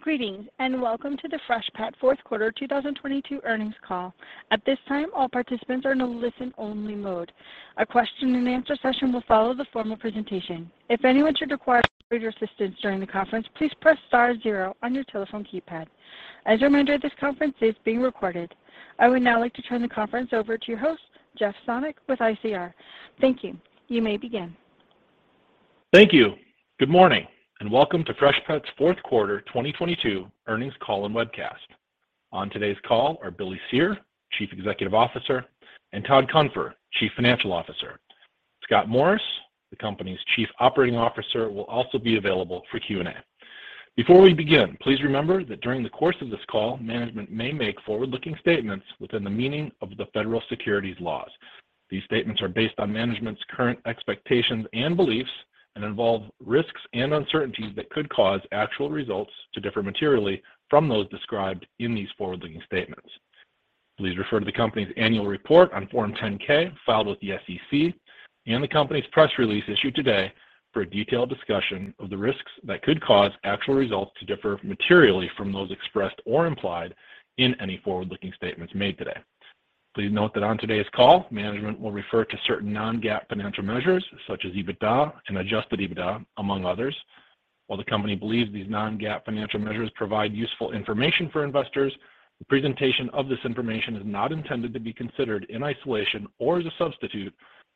Greetings, welcome to The Freshpet Fourth Quarter 2022 Earnings Call. At this time, all participants are in a listen only mode. A question and answer session will follow the formal presentation. If anyone should require operator assistance during the conference, please press star zero on your telephone keypad. As a reminder, this conference is being recorded. I would now like to turn the conference over to your host, Jeff Sonnek with ICR. Thank you. You may begin. Thank you. Good morning, and welcome to Freshpet's Fourth Quarter 2022 Earnings Call and Webcast. On today's call are Billy Cyr, Chief Executive Officer, and Todd Cunfer, Chief Financial Officer. Scott Morris, the company's Chief Operating Officer, will also be available for Q&A. Before we begin, please remember that during the course of this call, management may make forward-looking statements within the meaning of the federal securities laws. These statements are based on management's current expectations and beliefs and involve risks and uncertainties that could cause actual results to differ materially from those described in these forward-looking statements. Please refer to the company's annual report on Form 10-K filed with the SEC and the company's press release issued today for a detailed discussion of the risks that could cause actual results to differ materially from those expressed or implied in any forward-looking statements made today. Please note that on today's call, management will refer to certain non-GAAP financial measures such as EBITDA and adjusted EBITDA, among others. While the company believes these non-GAAP financial measures provide useful information for investors, the presentation of this information is not intended to be considered in isolation or as a substitute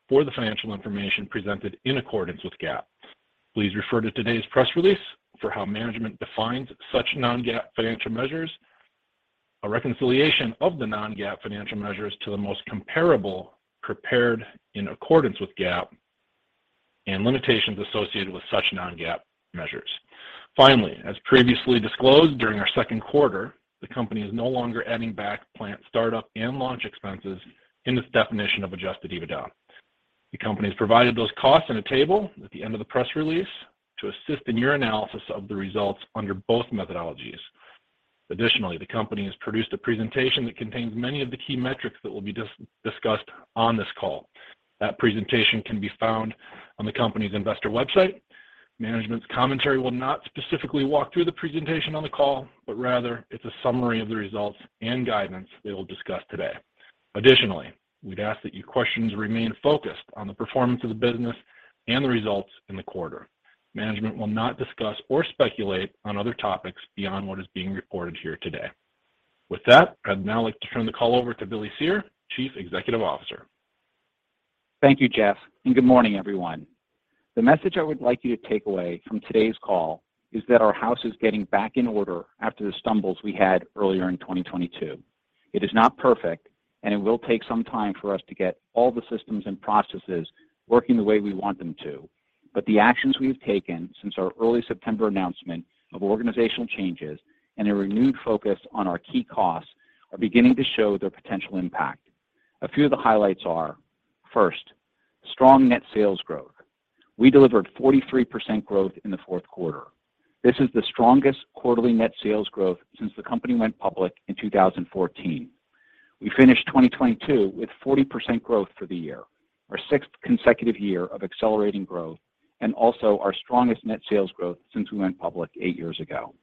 for the financial information presented in accordance with GAAP. Please refer to today's press release for how management defines such non-GAAP financial measures, a reconciliation of the non-GAAP financial measures to the most comparable prepared in accordance with GAAP, and limitations associated with such non-GAAP measures. Finally, as previously disclosed during our second quarter, the company is no longer adding back plant startup and launch expenses in its definition of adjusted EBITDA. The company has provided those costs in a table at the end of the press release to assist in your analysis of the results under both methodologies. Additionally, the company has produced a presentation that contains many of the key metrics that will be discussed on this call. That presentation can be found on the company's investor website. Management's commentary will not specifically walk through the presentation on the call, but rather it's a summary of the results and guidance they will discuss today. Additionally, we'd ask that your questions remain focused on the performance of the business and the results in the quarter. Management will not discuss or speculate on other topics beyond what is being reported here today. With that, I'd now like to turn the call over to Billy Cyr, Chief Executive Officer. Thank you, Jeff. Good morning, everyone. The message I would like you to take away from today's call is that our house is getting back in order after the stumbles we had earlier in 2022. It is not perfect. It will take some time for us to get all the systems and processes working the way we want them to. The actions we have taken since our early September announcement of organizational changes and a renewed focus on our key costs are beginning to show their potential impact. A few of the highlights are, first, strong net sales growth. We delivered 43% growth in the fourth quarter. This is the strongest quarterly net sales growth since the company went public in 2014. We finished 2022 with 40% growth for the year, our sixth consecutive year of accelerating growth and also our strongest net sales growth since we went public eight years ago.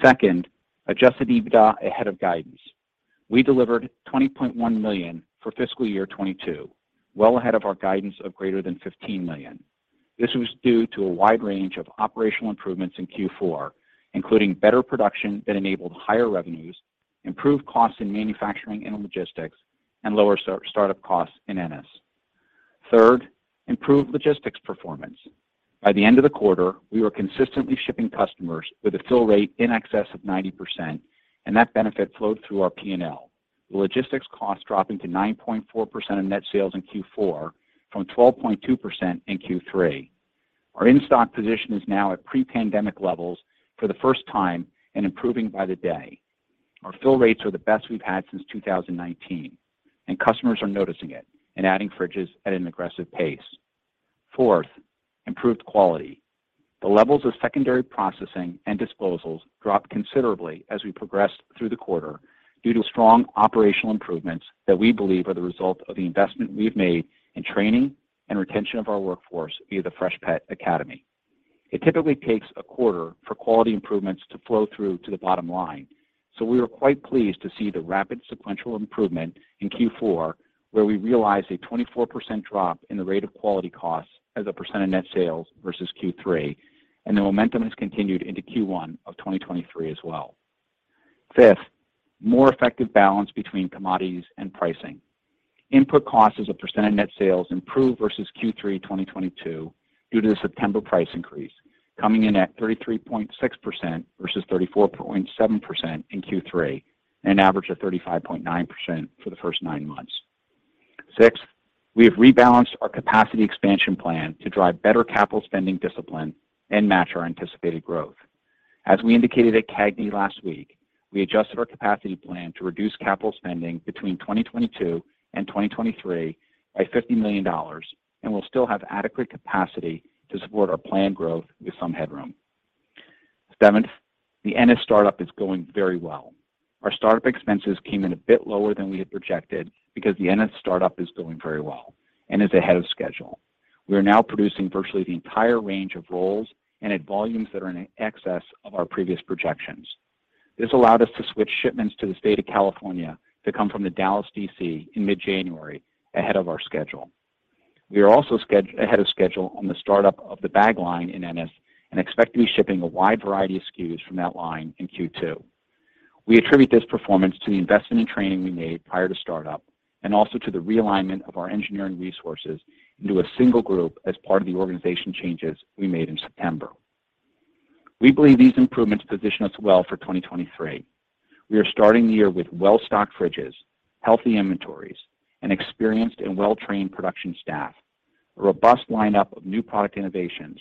Second, adjusted EBITDA ahead of guidance. We delivered $20.1 million for fiscal year 2022, well ahead of our guidance of greater than $15 million. This was due to a wide range of operational improvements in Q4, including better production that enabled higher revenues, improved costs in manufacturing and logistics, and lower startup costs in NS. Third, improved logistics performance. By the end of the quarter, we were consistently shipping customers with a fill rate in excess of 90%, and that benefit flowed through our P&L, the logistics cost dropping to 9.4% of net sales in Q4 from 12.2% in Q3. Our in-stock position is now at pre-pandemic levels for the first time and improving by the day. Our fill rates are the best we've had since 2019, and customers are noticing it and adding fridges at an aggressive pace. Fourth, improved quality. The levels of secondary processing and disposals dropped considerably as we progressed through the quarter due to strong operational improvements that we believe are the result of the investment we've made in training and retention of our workforce via the Freshpet Academy. It typically takes a quarter for quality improvements to flow through to the bottom line. We were quite pleased to see the rapid sequential improvement in Q4, where we realized a 24% drop in the rate of quality costs as a percent of net sales versus Q3, and the momentum has continued into Q1 of 2023 as well. Fifth, more effective balance between commodities and pricing. Input cost as a percent of net sales improved versus Q3 2022 due to the September price increase, coming in at 33.6% versus 34.7% in Q3, and an average of 35.9% for the first nine months. Sixth, we have rebalanced our capacity expansion plan to drive better capital spending discipline and match our anticipated growth. As we indicated at CAGNY last week, we adjusted our capacity plan to reduce capital spending between 2022 and 2023 by $50 million and will still have adequate capacity to support our planned growth with some headroom. Seventh, the NS startup is going very well. Our startup expenses came in a bit lower than we had projected because the Ennis startup is going very well and is ahead of schedule. We are now producing virtually the entire range of rolls and at volumes that are in excess of our previous projections. This allowed us to switch shipments to the state of California to come from the Dallas D.C. in mid-January ahead of our schedule. We are also ahead of schedule on the startup of the bag line in Ennis and expect to be shipping a wide variety of SKUs from that line in Q2. We attribute this performance to the investment in training we made prior to startup and also to the realignment of our engineering resources into a single group as part of the organization changes we made in September. We believe these improvements position us well for 2023. We are starting the year with well-stocked fridges, healthy inventories, an experienced and well-trained production staff, a robust lineup of new product innovations,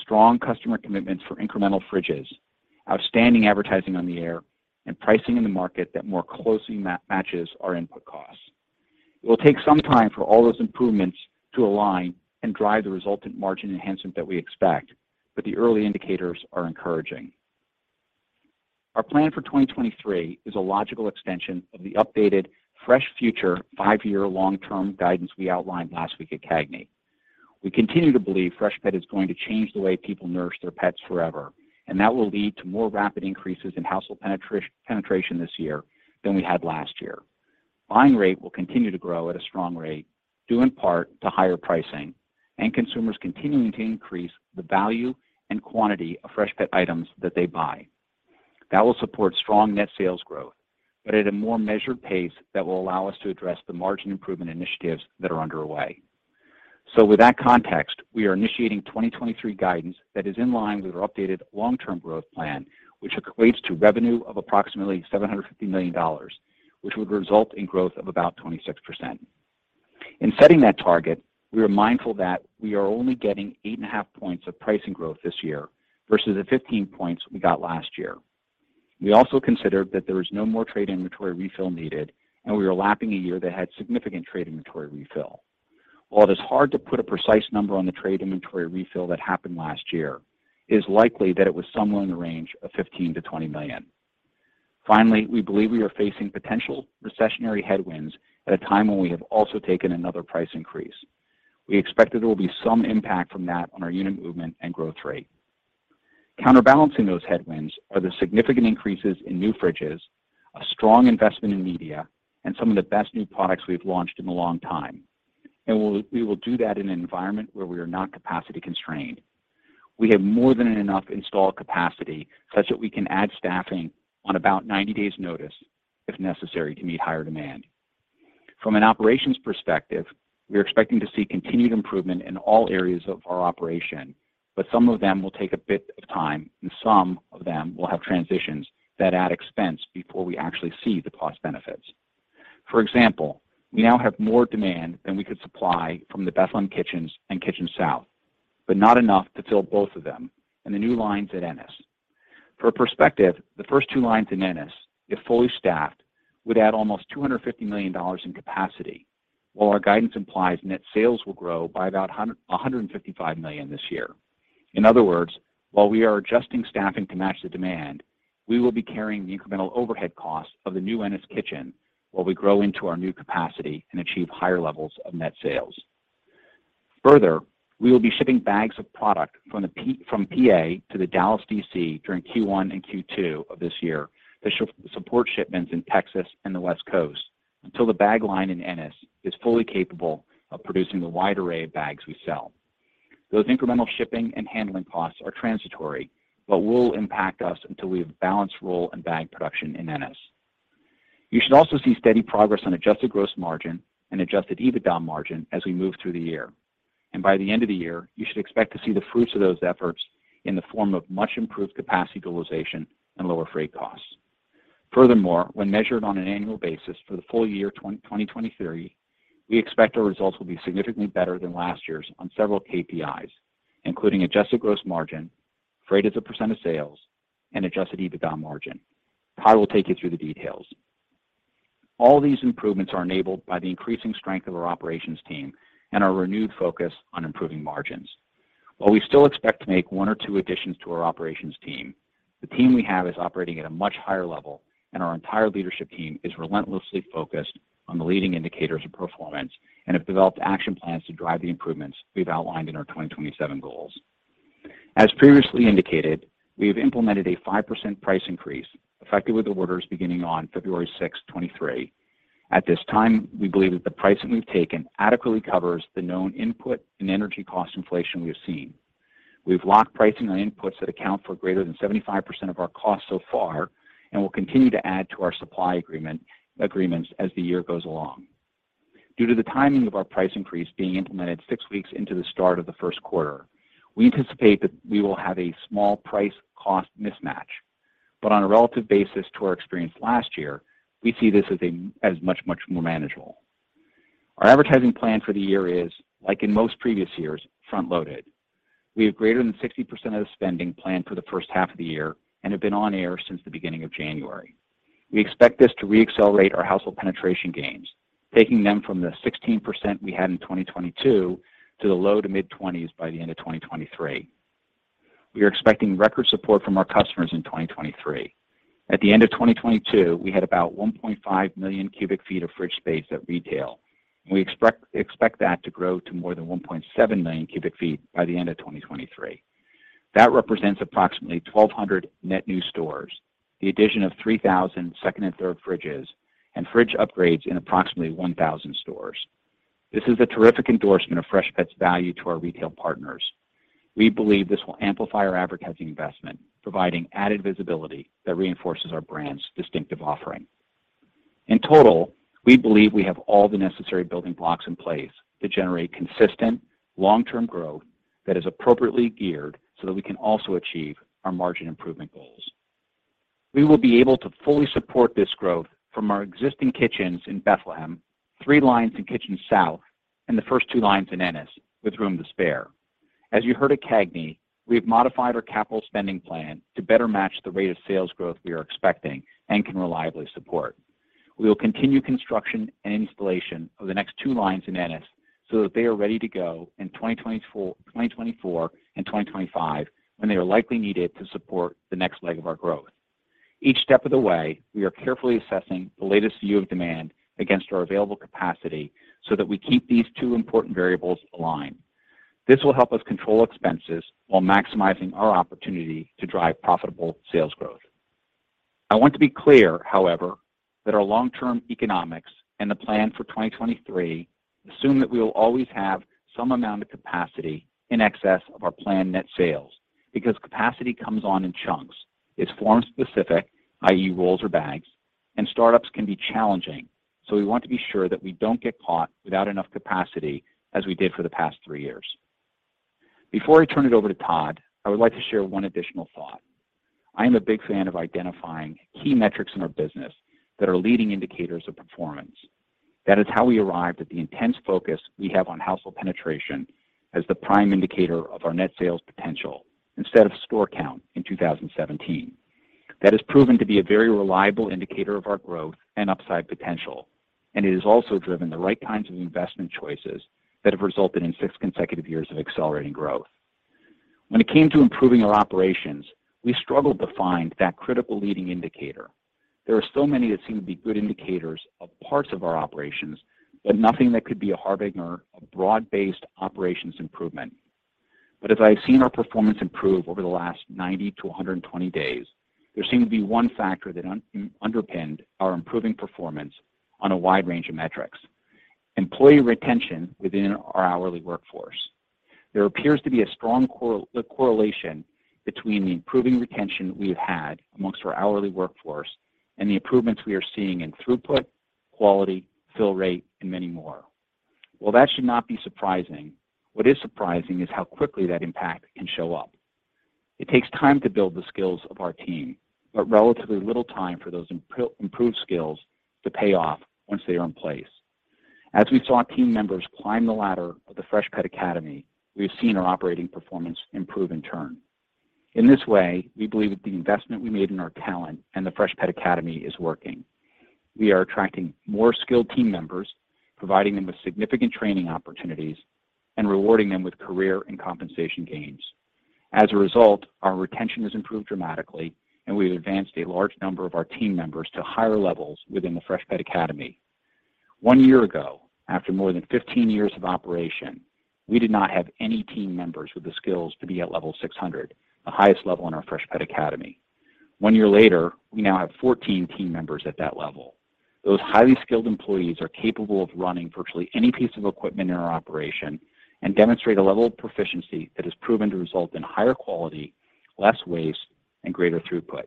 strong customer commitments for incremental fridges, outstanding advertising on the air, and pricing in the market that more closely matches our input costs. It will take some time for all those improvements to align and drive the resultant margin enhancement that we expect. The early indicators are encouraging. Our plan for 2023 is a logical extension of the updated Fresh Future five-year long-term guidance we outlined last week at CAGNY. We continue to believe Freshpet is going to change the way people nourish their pets forever. That will lead to more rapid increases in household penetration this year than we had last year. Line rate will continue to grow at a strong rate, due in part to higher pricing and consumers continuing to increase the value and quantity of Freshpet items that they buy. That will support strong net sales growth, but at a more measured pace that will allow us to address the margin improvement initiatives that are underway. With that context, we are initiating 2023 guidance that is in line with our updated long-term growth plan, which equates to revenue of approximately $750 million, which would result in growth of about 26%. In setting that target, we are mindful that we are only getting 8.5 points of pricing growth this year versus the 15 points we got last year. We also considered that there is no more trade inventory refill needed, and we are lapping a year that had significant trade inventory refill. While it is hard to put a precise number on the trade inventory refill that happened last year, it is likely that it was somewhere in the range of $15 million-$20 million. Finally, we believe we are facing potential recessionary headwinds at a time when we have also taken another price increase. We expect that there will be some impact from that on our unit movement and growth rate. Counterbalancing those headwinds are the significant increases in new fridges, a strong investment in media, and some of the best new products we have launched in a long time. We will do that in an environment where we are not capacity constrained. We have more than enough installed capacity such that we can add staffing on about 90 days' notice if necessary to meet higher demand. From an operations perspective, we are expecting to see continued improvement in all areas of our operation, but some of them will take a bit of time, and some of them will have transitions that add expense before we actually see the cost benefits. For example, we now have more demand than we could supply from the Bethlehem kitchens and Kitchen South, but not enough to fill both of them and the new lines at Ennis. For perspective, the first two lines in Ennis, if fully staffed, would add almost $250 million in capacity, while our guidance implies net sales will grow by about $155 million this year. In other words, while we are adjusting staffing to match the demand, we will be carrying the incremental overhead costs of the new Ennis kitchen while we grow into our new capacity and achieve higher levels of net sales. Further, we will be shipping bags of product from PA to the Dallas DC during Q1 and Q2 of this year that support shipments in Texas and the West Coast until the bag line in Ennis is fully capable of producing the wide array of bags we sell. Those incremental shipping and handling costs are transitory but will impact us until we have a balanced roll and bag production in Ennis. You should also see steady progress on adjusted gross margin and adjusted EBITDA margin as we move through the year. By the end of the year, you should expect to see the fruits of those efforts in the form of much improved capacity utilization and lower freight costs. Furthermore, when measured on an annual basis for the full year 2023, we expect our results will be significantly better than last year's on several KPIs, including adjusted gross margin, freight as a % of sales, and adjusted EBITDA margin. Todd will take you through the details. All these improvements are enabled by the increasing strength of our operations team and our renewed focus on improving margins. While we still expect to make one or two additions to our operations team, the team we have is operating at a much higher level. Our entire leadership team is relentlessly focused on the leading indicators of performance and have developed action plans to drive the improvements we've outlined in our 2027 goals. As previously indicated, we have implemented a 5% price increase, effective with orders beginning on February 6, 2023. At this time, we believe that the pricing we've taken adequately covers the known input and energy cost inflation we have seen. We've locked pricing on inputs that account for greater than 75% of our costs so far and will continue to add to our supply agreements as the year goes along. Due to the timing of our price increase being implemented six weeks into the start of the first quarter, we anticipate that we will have a small price-cost mismatch. On a relative basis to our experience last year, we see this as much, much more manageable. Our advertising plan for the year is, like in most previous years, front-loaded. We have greater than 60% of the spending planned for the first half of the year and have been on air since the beginning of January. We expect this to re-accelerate our household penetration gains, taking them from the 16% we had in 2022 to the low to mid-20s by the end of 2023. We are expecting record support from our customers in 2023. At the end of 2022, we had about 1.5 million cu ft of fridge space at retail. We expect that to grow to more than 1.7 million cu ft by the end of 2023. That represents approximately 1,200 net new stores, the addition of 3,000 second and third fridges, and fridge upgrades in approximately 1,000 stores. This is a terrific endorsement of Freshpet's value to our retail partners. We believe this will amplify our advertising investment, providing added visibility that reinforces our brand's distinctive offering. In total, we believe we have all the necessary building blocks in place to generate consistent long-term growth that is appropriately geared so that we can also achieve our margin improvement goals. We will be able to fully support this growth from our existing kitchens in Bethlehem, three lines in Kitchen South, and the first two lines in Ennis with room to spare. As you heard at CAGNY, we have modified our capital spending plan to better match the rate of sales growth we are expecting and can reliably support. We will continue construction and installation of the next two lines in Ennis so that they are ready to go in 2024 and 2025 when they are likely needed to support the next leg of our growth. Each step of the way, we are carefully assessing the latest view of demand against our available capacity so that we keep these two important variables aligned. This will help us control expenses while maximizing our opportunity to drive profitable sales growth. I want to be clear, however, that our long-term economics and the plan for 2023 assume that we will always have some amount of capacity in excess of our planned net sales because capacity comes on in chunks. It's form specific, i.e., rolls or bags, and startups can be challenging, so we want to be sure that we don't get caught without enough capacity as we did for the past three years. Before I turn it over to Todd, I would like to share one additional thought. I am a big fan of identifying key metrics in our business that are leading indicators of performance. That is how we arrived at the intense focus we have on household penetration as the prime indicator of our net sales potential instead of store count in 2017. That has proven to be a very reliable indicator of our growth and upside potential, and it has also driven the right kinds of investment choices that have resulted in six consecutive years of accelerating growth. When it came to improving our operations, we struggled to find that critical leading indicator. There are so many that seem to be good indicators of parts of our operations, nothing that could be a harbinger of broad-based operations improvement. As I have seen our performance improve over the last 90 to 120 days, there seemed to be one factor that underpinned our improving performance on a wide range of metrics, employee retention within our hourly workforce. There appears to be a strong correlation between the improving retention we have had amongst our hourly workforce and the improvements we are seeing in throughput, quality, fill rate, and many more. While that should not be surprising, what is surprising is how quickly that impact can show up. It takes time to build the skills of our team, but relatively little time for those improved skills to pay off once they are in place. As we saw team members climb the ladder of the Freshpet Academy, we have seen our operating performance improve in turn. In this way, we believe that the investment we made in our talent and the Freshpet Academy is working. We are attracting more skilled team members, providing them with significant training opportunities, and rewarding them with career and compensation gains. As a result, our retention has improved dramatically, and we have advanced a large number of our team members to higher levels within the Freshpet Academy. One year ago, after more than 15 years of operation, we did not have any team members with the skills to be at level 600, the highest level in our Freshpet Academy. One year later, we now have 14 team members at that level. Those highly skilled employees are capable of running virtually any piece of equipment in our operation and demonstrate a level of proficiency that has proven to result in higher quality, less waste, and greater throughput.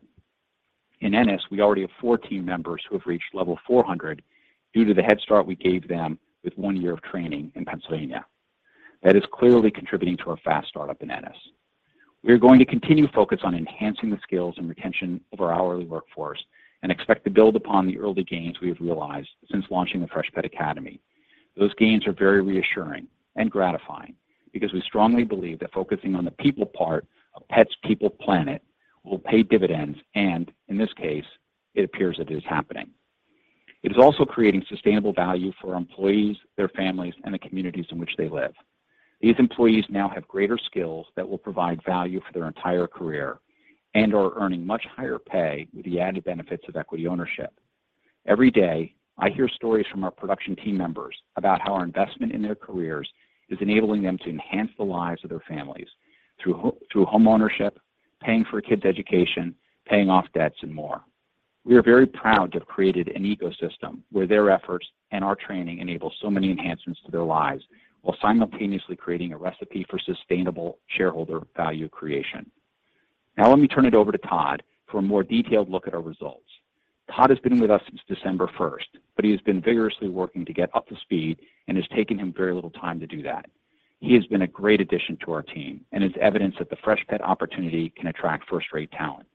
In Ennis, we already have four team members who have reached level 400 due to the head start we gave them with one year of training in Pennsylvania. That is clearly contributing to our fast startup in Ennis. We are going to continue to focus on enhancing the skills and retention of our hourly workforce and expect to build upon the early gains we have realized since launching the Freshpet Academy. Those gains are very reassuring and gratifying because we strongly believe that focusing on the people part of pets, people, planet will pay dividends, and in this case, it appears it is happening. It is also creating sustainable value for our employees, their families, and the communities in which they live. These employees now have greater skills that will provide value for their entire career and are earning much higher pay with the added benefits of equity ownership. Every day, I hear stories from our production team members about how our investment in their careers is enabling them to enhance the lives of their families through home ownership, paying for kids' education, paying off debts, and more. We are very proud to have created an ecosystem where their efforts and our training enable so many enhancements to their lives while simultaneously creating a recipe for sustainable shareholder value creation. Let me turn it over to Todd for a more detailed look at our results. Todd has been with us since December first, but he has been vigorously working to get up to speed and it's taken him very little time to do that. He has been a great addition to our team and is evidence that the Freshpet opportunity can attract first-rate talent.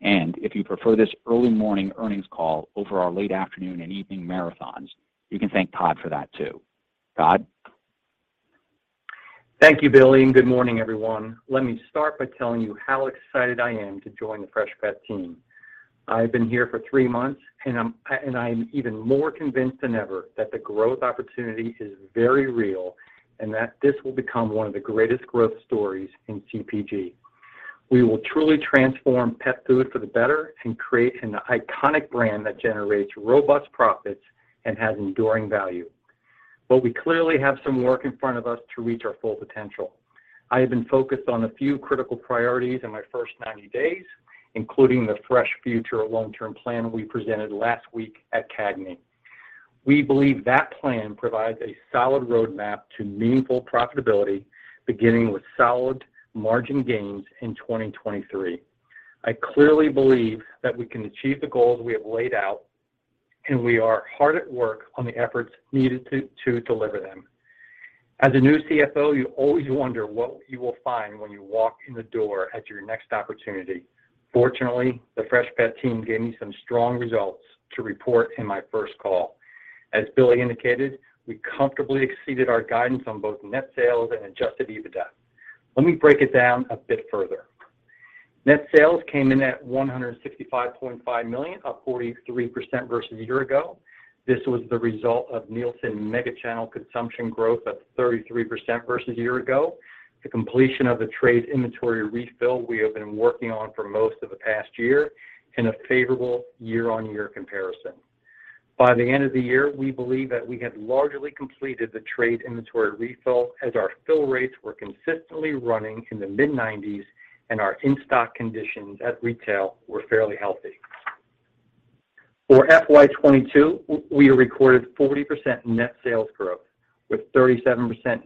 If you prefer this early morning earnings call over our late afternoon and evening marathons, you can thank Todd for that, too. Todd? Thank you, Billy. Good morning, everyone. Let me start by telling you how excited I am to join the Freshpet team. I've been here for three months, and I'm even more convinced than ever that the growth opportunity is very real and that this will become one of the greatest growth stories in CPG. We will truly transform pet food for the better and create an iconic brand that generates robust profits and has enduring value. We clearly have some work in front of us to reach our full potential. I have been focused on a few critical priorities in my first 90 days, including the Fresh Future long-term plan we presented last week at CAGNY. We believe that plan provides a solid roadmap to meaningful profitability, beginning with solid margin gains in 2023. I clearly believe that we can achieve the goals we have laid out. We are hard at work on the efforts needed to deliver them. As a new CFO, you always wonder what you will find when you walk in the door at your next opportunity. Fortunately, the Freshpet team gave me some strong results to report in my first call. As Billy indicated, we comfortably exceeded our guidance on both net sales and adjusted EBITDA. Let me break it down a bit further. Net sales came in at $165.5 million, up 43% versus a year ago. This was the result of Nielsen Mega-Channel consumption growth of 33% versus a year ago, the completion of the trade inventory refill we have been working on for most of the past year and a favorable year-on-year comparison. By the end of the year, we believe that we had largely completed the trade inventory refill as our fill rates were consistently running in the mid-nineties and our in-stock conditions at retail were fairly healthy. For FY 2022, we recorded 40% net sales growth, with 37%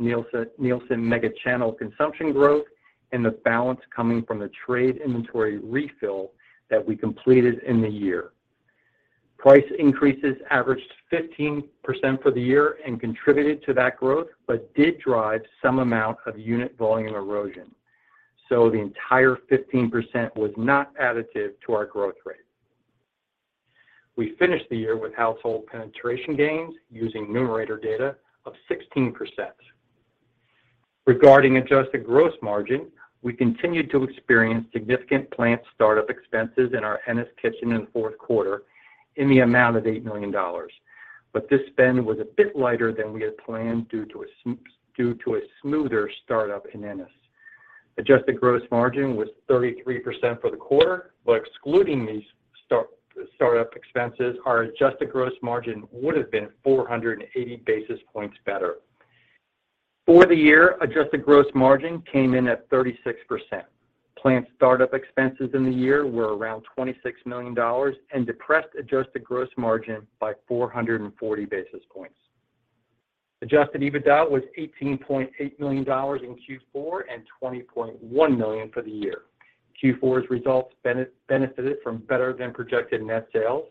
Nielsen Mega-Channel consumption growth and the balance coming from the trade inventory refill that we completed in the year. Price increases averaged 15% for the year and contributed to that growth, but did drive some amount of unit volume erosion. The entire 15% was not additive to our growth rate. We finished the year with household penetration gains using Numerator data of 16%. Regarding adjusted gross margin, we continued to experience significant plant startup expenses in our Ennis kitchen in the fourth quarter in the amount of $8 million. This spend was a bit lighter than we had planned due to a smoother startup in Ennis. Adjusted gross margin was 33% for the quarter, but excluding startup expenses, our adjusted gross margin would have been 480 basis points better. For the year, adjusted gross margin came in at 36%. Plant startup expenses in the year were around $26 million and depressed adjusted gross margin by 440 basis points. Adjusted EBITDA was $18.8 million in Q4 and $20.1 million for the year. Q4's results benefited from better than projected net sales,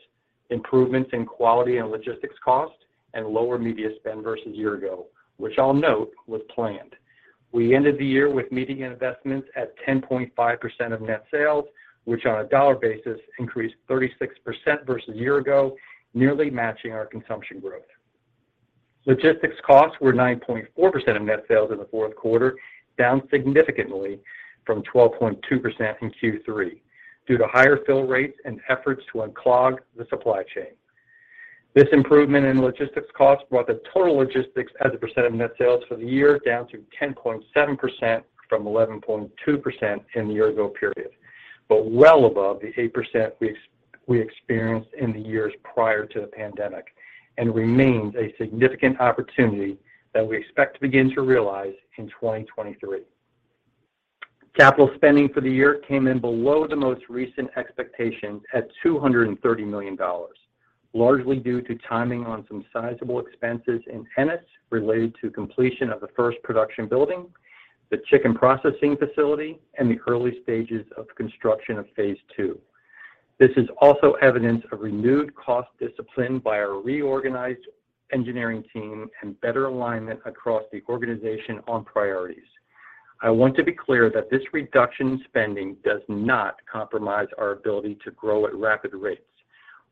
improvements in quality and logistics cost, and lower media spend versus a year ago, which I'll note was planned. We ended the year with media investments at 10.5% of net sales, which on a dollar basis increased 36% versus a year ago, nearly matching our consumption growth. Logistics costs were 9.4% of net sales in the fourth quarter, down significantly from 12.2% in Q3 due to higher fill rates and efforts to unclog the supply chain. This improvement in logistics costs brought the total logistics as a percent of net sales for the year down to 10.7% from 11.2% in the year-ago period. Well above the 8% we experienced in the years prior to the pandemic and remains a significant opportunity that we expect to begin to realize in 2023. Capital spending for the year came in below the most recent expectations at $230 million, largely due to timing on some sizable expenses in Ennis related to completion of the first production building, the chicken processing facility, and the early stages of construction of phase II. This is also evidence of renewed cost discipline by our reorganized engineering team and better alignment across the organization on priorities. I want to be clear that this reduction in spending does not compromise our ability to grow at rapid rates.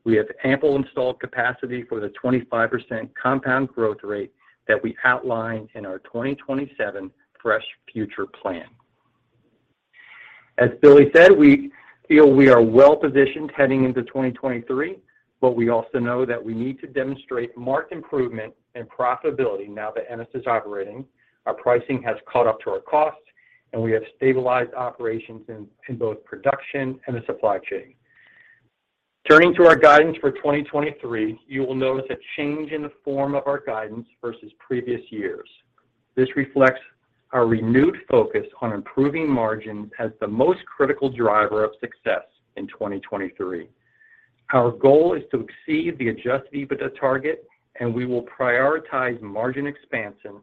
We have ample installed capacity for the 25% compound growth rate that we outlined in our 2027 Fresh Future plan. As Billy said, we feel we are well positioned heading into 2023. We also know that we need to demonstrate marked improvement in profitability now that Ennis is operating, our pricing has caught up to our costs, and we have stabilized operations in both production and the supply chain. Turning to our guidance for 2023, you will notice a change in the form of our guidance versus previous years. This reflects our renewed focus on improving margin as the most critical driver of success in 2023. Our goal is to exceed the adjusted EBITDA target. We will prioritize margin expansion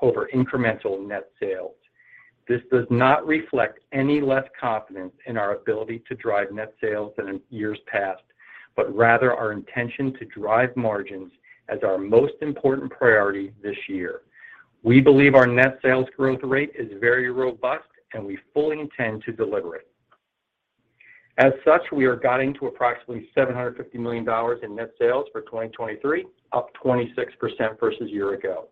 over incremental net sales. This does not reflect any less confidence in our ability to drive net sales than in years past, but rather our intention to drive margins as our most important priority this year. We believe our net sales growth rate is very robust, and we fully intend to deliver it. As such, we are guiding to approximately $750 million in net sales for 2023, up 26% versus a year ago.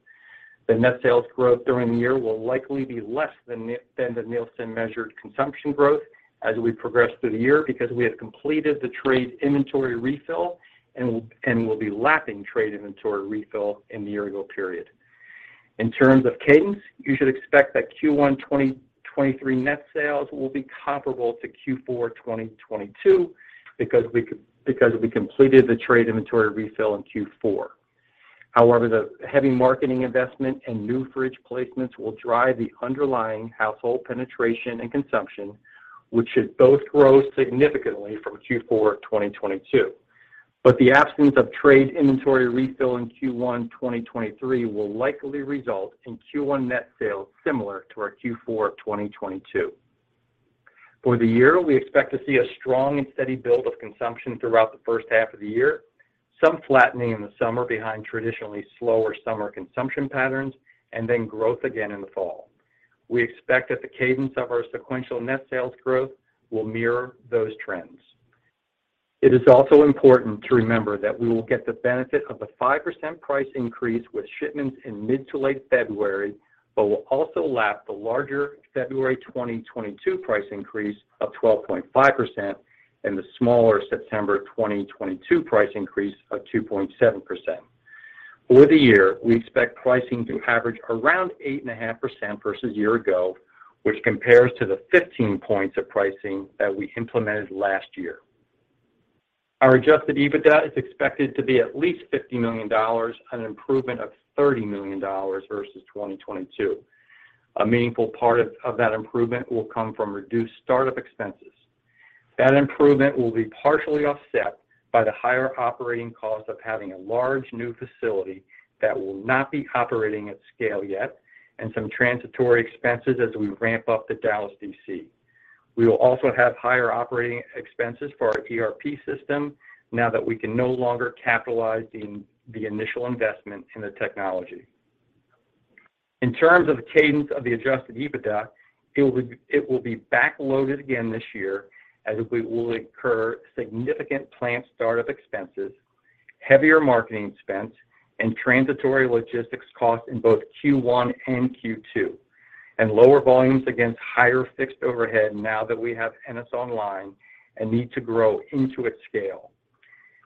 The net sales growth during the year will likely be less than the Nielsen-measured consumption growth as we progress through the year because we have completed the trade inventory refill and will be lapping trade inventory refill in the year-ago period. In terms of cadence, you should expect that Q1 2023 net sales will be comparable to Q4 2022 because we completed the trade inventory refill in Q4. The heavy marketing investment and new fridge placements will drive the underlying household penetration and consumption, which should both grow significantly from Q4 2022. The absence of trade inventory refill in Q1 2023 will likely result in Q1 net sales similar to our Q4 2022. For the year, we expect to see a strong and steady build of consumption throughout the first half of the year, some flattening in the summer behind traditionally slower summer consumption patterns, and then growth again in the fall. We expect that the cadence of our sequential net sales growth will mirror those trends. It is also important to remember that we will get the benefit of the 5% price increase with shipments in mid to late February, but will also lap the larger February 2022 price increase of 12.5% and the smaller September 2022 price increase of 2.7%. For the year, we expect pricing to average around 8.5% versus year-ago, which compares to the 15 points of pricing that we implemented last year. Our adjusted EBITDA is expected to be at least $50 million, an improvement of $30 million versus 2022. A meaningful part of that improvement will come from reduced startup expenses. That improvement will be partially offset by the higher operating cost of having a large new facility that will not be operating at scale yet and some transitory expenses as we ramp up the Dallas DC. We will also have higher operating expenses for our ERP system now that we can no longer capitalize the initial investment in the technology. In terms of the cadence of the adjusted EBITDA, it will be backloaded again this year as we will incur significant plant start-up expenses, heavier marketing spends and transitory logistics costs in both Q1 and Q2 and lower volumes against higher fixed overhead now that we have Ennis online and need to grow into its scale.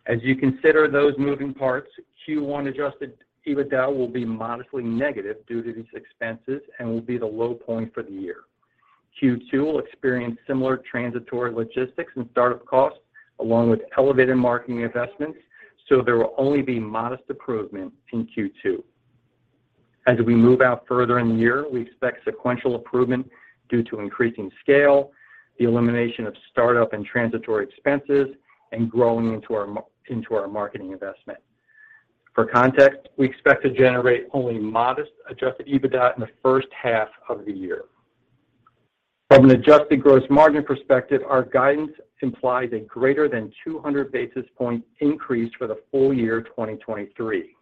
As you consider those moving parts, Q1 adjusted EBITDA will be modestly negative due to these expenses and will be the low point for the year. Q2 will experience similar transitory logistics and start-up costs along with elevated marketing investments, there will only be modest improvement in Q2. As we move out further in the year, we expect sequential improvement due to increasing scale, the elimination of start-up and transitory expenses, and growing into our marketing investment. For context, we expect to generate only modest adjusted EBITDA in the first half of the year. From an adjusted gross margin perspective, our guidance implies a greater than 200 basis point increase for the full year 2023.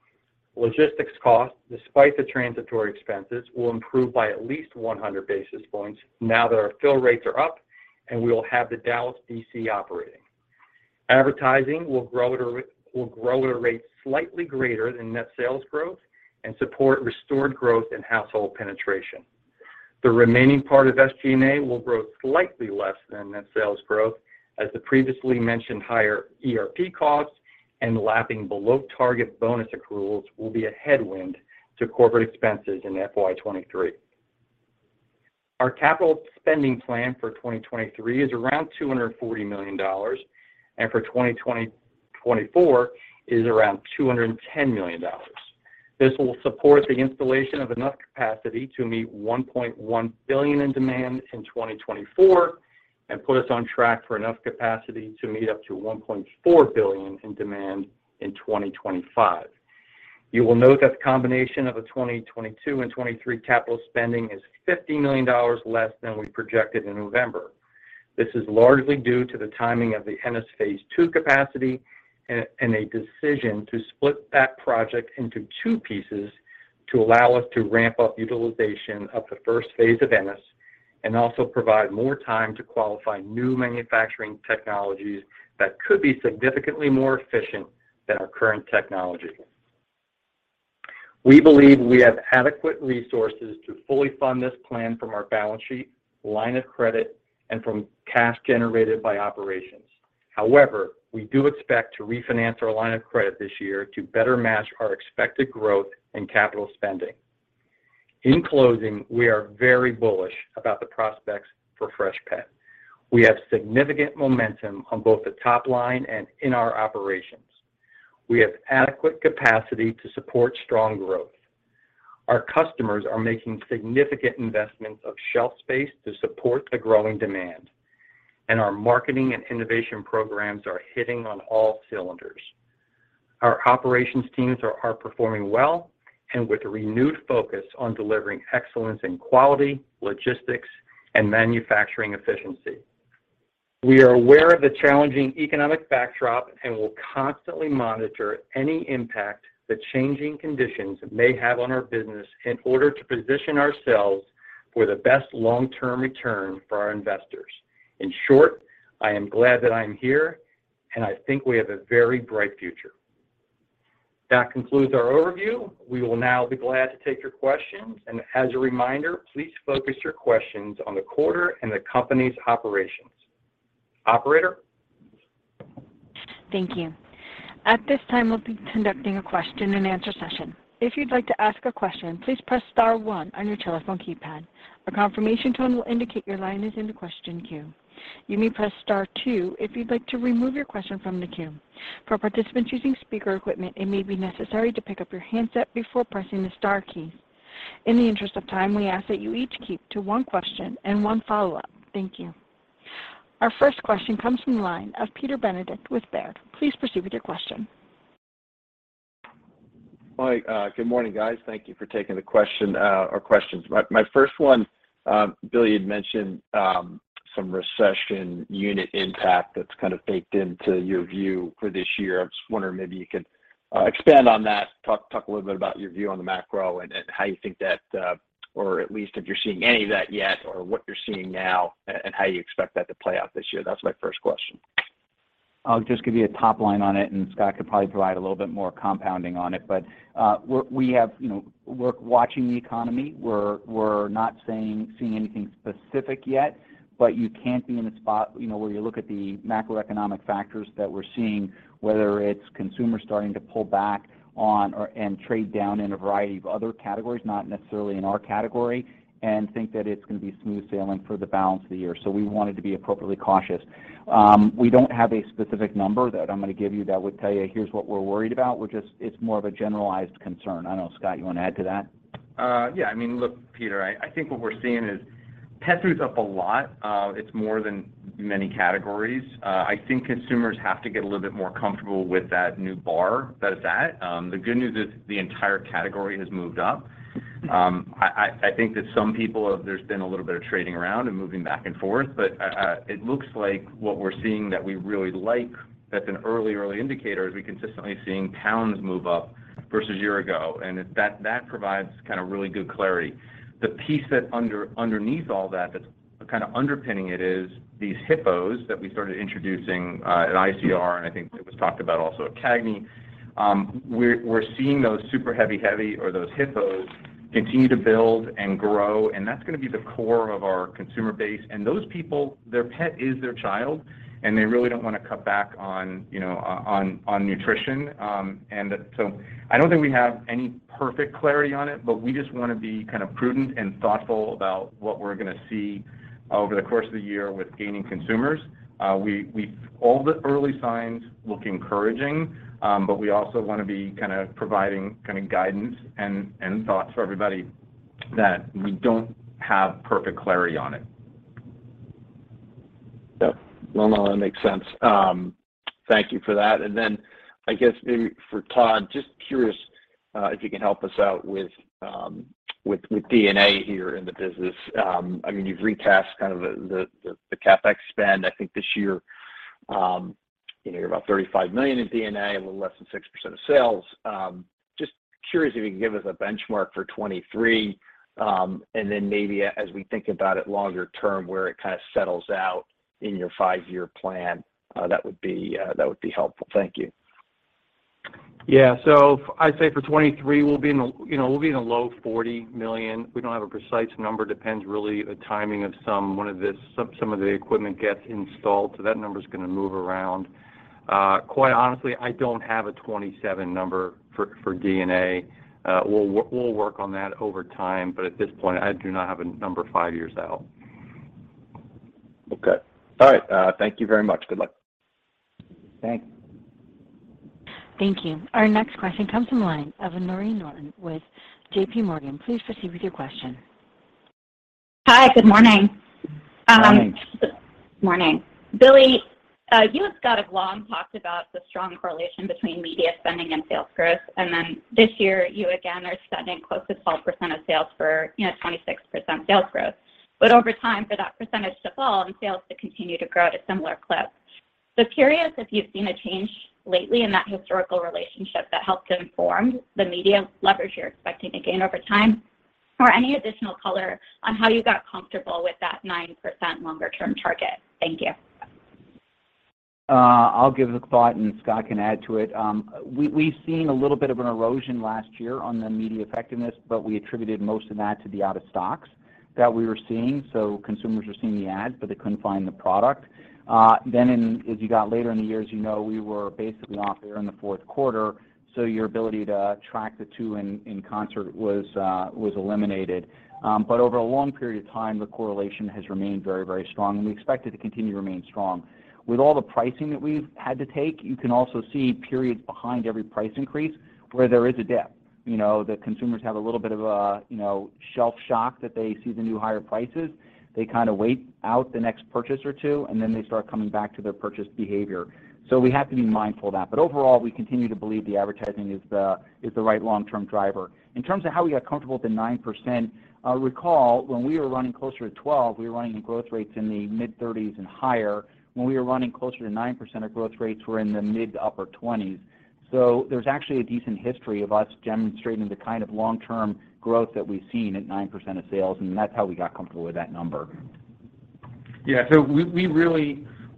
Logistics costs, despite the transitory expenses, will improve by at least 100 basis points now that our fill rates are up and we will have the Dallas DC operating. Advertising will grow at a rate slightly greater than net sales growth and support restored growth in household penetration. The remaining part of SG&A will grow slightly less than net sales growth as the previously mentioned higher ERP costs and lapping below target bonus accruals will be a headwind to corporate expenses in FY 2023. Our capital spending plan for 2023 is around $240 million, and for 2024 is around $210 million. This will support the installation of enough capacity to meet $1.1 billion in demand in 2024 and put us on track for enough capacity to meet up to $1.4 billion in demand in 2025. You will note that the combination of the 2022 and 2023 capital spending is $50 million less than we projected in November. This is largely due to the timing of the Ennis phase two capacity and a decision to split that project into two pieces to allow us to ramp up utilization of the first phase of Ennis and also provide more time to qualify new manufacturing technologies that could be significantly more efficient than our current technology. We believe we have adequate resources to fully fund this plan from our balance sheet, line of credit, and from cash generated by operations. We do expect to refinance our line of credit this year to better match our expected growth and capital spending. In closing, we are very bullish about the prospects for Freshpet. We have significant momentum on both the top line and in our operations. We have adequate capacity to support strong growth. Our customers are making significant investments of shelf space to support the growing demand, and our marketing and innovation programs are hitting on all cylinders. Our operations teams are performing well and with a renewed focus on delivering excellence in quality, logistics, and manufacturing efficiency. We are aware of the challenging economic backdrop and will constantly monitor any impact the changing conditions may have on our business in order to position ourselves for the best long-term return for our investors. In short, I am glad that I am here. I think we have a very bright future. That concludes our overview. We will now be glad to take your questions. As a reminder, please focus your questions on the quarter and the company's operations. Operator? Thank you. At this time, we'll be conducting a question and answer session. If you'd like to ask a question, please press star one on your telephone keypad. A confirmation tone will indicate your line is in the question queue. You may press star two if you'd like to remove your question from the queue. For participants using speaker equipment, it may be necessary to pick up your handset before pressing the star key. In the interest of time, we ask that you each keep to one question and one follow-up. Thank you. Our first question comes from the line of Peter Benedict with Baird. Please proceed with your question. Hi, good morning, guys. Thank you for taking the question or questions. My first one, Billy, you'd mentioned some recession unit impact that's kind of baked into your view for this year. I was just wondering maybe you could expand on that, talk a little bit about your view on the macro and how you think that, or at least if you're seeing any of that yet, or what you're seeing now and how you expect that to play out this year? That's my first question. I'll just give you a top line on it, and Scott could probably provide a little bit more compounding on it. We're, we have, you know, we're watching the economy. We're not seeing anything specific yet, but you can't be in a spot, you know, where you look at the macroeconomic factors that we're seeing, whether it's consumers starting to pull back on and trade down in a variety of other categories, not necessarily in our category, and think that it's gonna be smooth sailing for the balance of the year. We wanted to be appropriately cautious. We don't have a specific number that I'm gonna give you that would tell you, "Here's what we're worried about." It's more of a generalized concern. I don't know, Scott, you wanna add to that? Yeah. I mean, look, Peter, I think what we're seeing is pet food's up a lot. It's more than many categories. I think consumers have to get a little bit more comfortable with that new bar that it's at. The good news is the entire category has moved up. I think that some people have there's been a little bit of trading around and moving back and forth, but it looks like what we're seeing that we really like, that's an early indicator is we're consistently seeing pounds move up versus a year ago, and that provides kind of really good clarity. The piece that underneath all that's kind of underpinning it is these HIPPOs that we started introducing at ICR, and I think it was talked about also at CAGNY. We're seeing those super heavy or those HIPPOs continue to build and grow, and that's gonna be the core of our consumer base. Those people, their pet is their child, and they really don't wanna cut back on, you know, on nutrition. I don't think we have any perfect clarity on it, but we just wanna be kind of prudent and thoughtful about what we're gonna see over the course of the year with gaining consumers. All the early signs look encouraging, we also wanna be kind of providing kind of guidance and thoughts for everybody that we don't have perfect clarity on it. Yep. No, no, that makes sense. Thank you for that. I guess maybe for Todd, just curious, if you can help us out with D&A here in the business. I mean, you've retasked kind of the CapEx spend. I think this year, you know, you're about $35 million in D&A, a little less than 6% of sales. Just curious if you can give us a benchmark for 2023, and then maybe as we think about it longer term, where it kind of settles out in your five-year plan, that would be helpful. Thank you. Yeah. I'd say for 2023, we'll be in a, you know, we'll be in a low $40 million. We don't have a precise number. Depends really the timing of some, when of this, some of the equipment gets installed, so that number's gonna move around. Quite honestly, I don't have a 2027 number for D&A. We'll work on that over time, but at this point, I do not have a number five years out. Okay. All right. Thank you very much. Good luck. Thanks. Thank you. Our next question comes from the line of Noreen Norton with JPMorgan. Please proceed with your question. Hi. Good morning. Morning. Billy, you and Scott have long talked about the strong correlation between media spending and sales growth. This year you again are spending close to 12% of sales for, you know, 26% sales growth, but over time for that percentage to fall and sales to continue to grow at a similar clip. Curious if you've seen a change lately in that historical relationship that helped inform the media leverage you're expecting to gain over time or any additional color on how you got comfortable with that 9% longer term target. Thank you. I'll give a thought and Scott can add to it. We've seen a little bit of an erosion last year on the media effectiveness, but we attributed most of that to the out of stocks that we were seeing. Consumers were seeing the ad, but they couldn't find the product. In, as you got later in the years, you know, we were basically off air in the fourth quarter, so your ability to track the two in concert was eliminated. Over a long period of time, the correlation has remained very, very strong, and we expect it to continue to remain strong. With all the pricing that we've had to take, you can also see periods behind every price increase where there is a dip. You know, the consumers have a little bit of a, you know, shelf shock that they see the new higher prices. They kinda wait out the next purchase or two, and then they start coming back to their purchase behavior. We have to be mindful of that. Overall, we continue to believe the advertising is the right long-term driver. In terms of how we got comfortable with the 9%, recall when we were running closer to 12%, we were running growth rates in the mid-30s% and higher. When we were running closer to 9%, our growth rates were in the mid to upper 20s%. There's actually a decent history of us demonstrating the kind of long-term growth that we've seen at 9% of sales, and that's how we got comfortable with that number.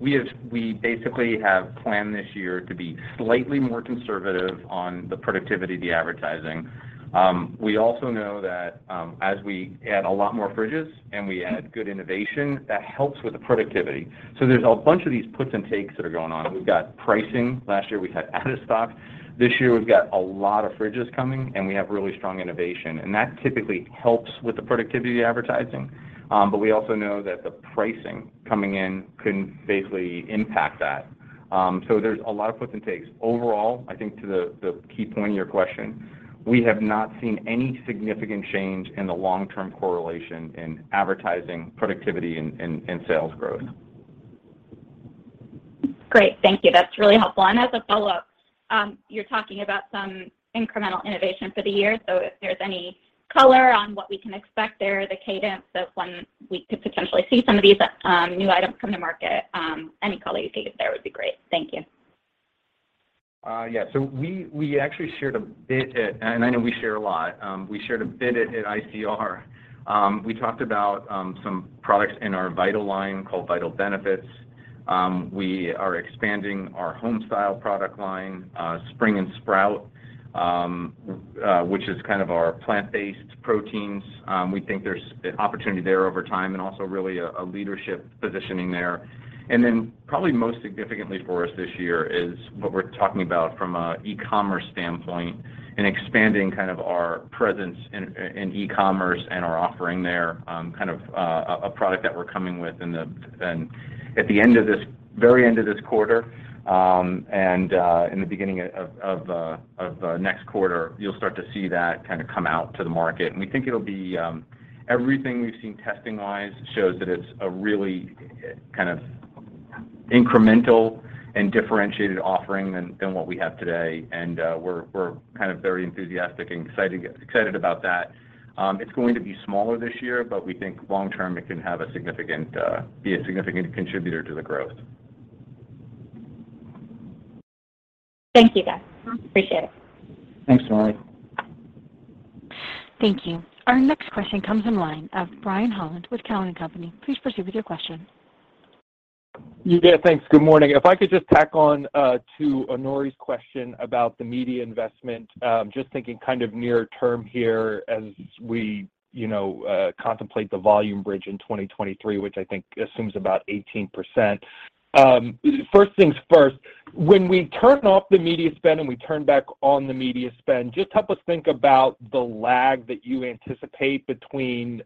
We basically have planned this year to be slightly more conservative on the productivity of the advertising. We also know that as we add a lot more fridges and we add good innovation, that helps with the productivity. There's a bunch of these puts and takes that are going on. We've got pricing. Last year, we had out of stock. This year, we've got a lot of fridges coming, and we have really strong innovation. That typically helps with the productivity advertising. We also know that the pricing coming in can basically impact that. There's a lot of puts and takes. Overall, I think to the key point of your question, we have not seen any significant change in the long-term correlation in advertising productivity in sales growth. Great. Thank you. That's really helpful. As a follow-up, you're talking about some incremental innovation for the year. If there's any color on what we can expect there, the cadence of when we could potentially see some of these new items come to market, any color you could give us there would be great. Thank you. Yeah. We actually shared a bit at. I know we share a lot. We shared a bit at ICR. We talked about some products in our Vital line called Vital Benefits. We are expanding our Homestyle Creations product line, Spring & Sprout, which is kind of our plant-based proteins. We think there's an opportunity there over time and also really a leadership positioning there. Probably most significantly for us this year is what we're talking about from a e-commerce standpoint and expanding kind of our presence in e-commerce and our offering there, kind of a product that we're coming with at the very end of this quarter. In the beginning of next quarter, you'll start to see that kinda come out to the market. We think it'll be. Everything we've seen testing-wise shows that it's a really kind of incremental and differentiated offering than what we have today. We're kind of very enthusiastic and excited about that. It's going to be smaller this year, but we think long term, it can be a significant contributor to the growth. Thank you, guys. Appreciate it. Thanks, Nori. Thank you. Our next question comes in line of Brian Holland with Cowen and Company. Please proceed with your question. Yeah, thanks. Good morning. If I could just tack on to Nori's question about the media investment, just thinking kind of near term here as we, you know, contemplate the volume bridge in 2023, which I think assumes about 18%. First things first, when we turn off the media spend and we turn back on the media spend, just help us think about the lag that you anticipate between,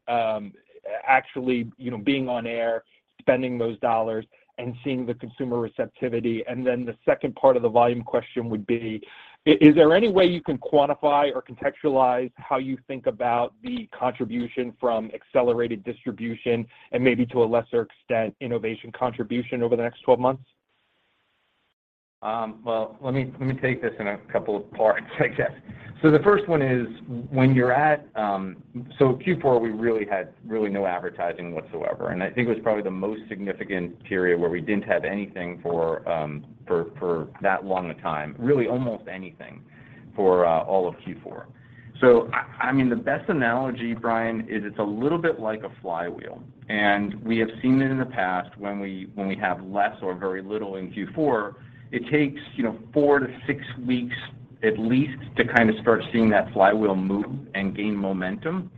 actually, you know, being on air, spending those dollars and seeing the consumer receptivity. The second part of the volume question would be, is there any way you can quantify or contextualize how you think about the contribution from accelerated distribution and maybe to a lesser extent, innovation contribution over the next 12 months? Well, let me take this in a couple of parts, I guess. The first one is when you're at... Q4, we really had really no advertising whatsoever, and I think it was probably the most significant period where we didn't have anything for that long a time, really almost anything for all of Q4. I mean, the best analogy, Brian, is it's a little bit like a flywheel. We have seen it in the past when we, when we have less or very little in Q4, it takes, you know, four to six weeks at least to kind of start seeing that flywheel move and gain momentum.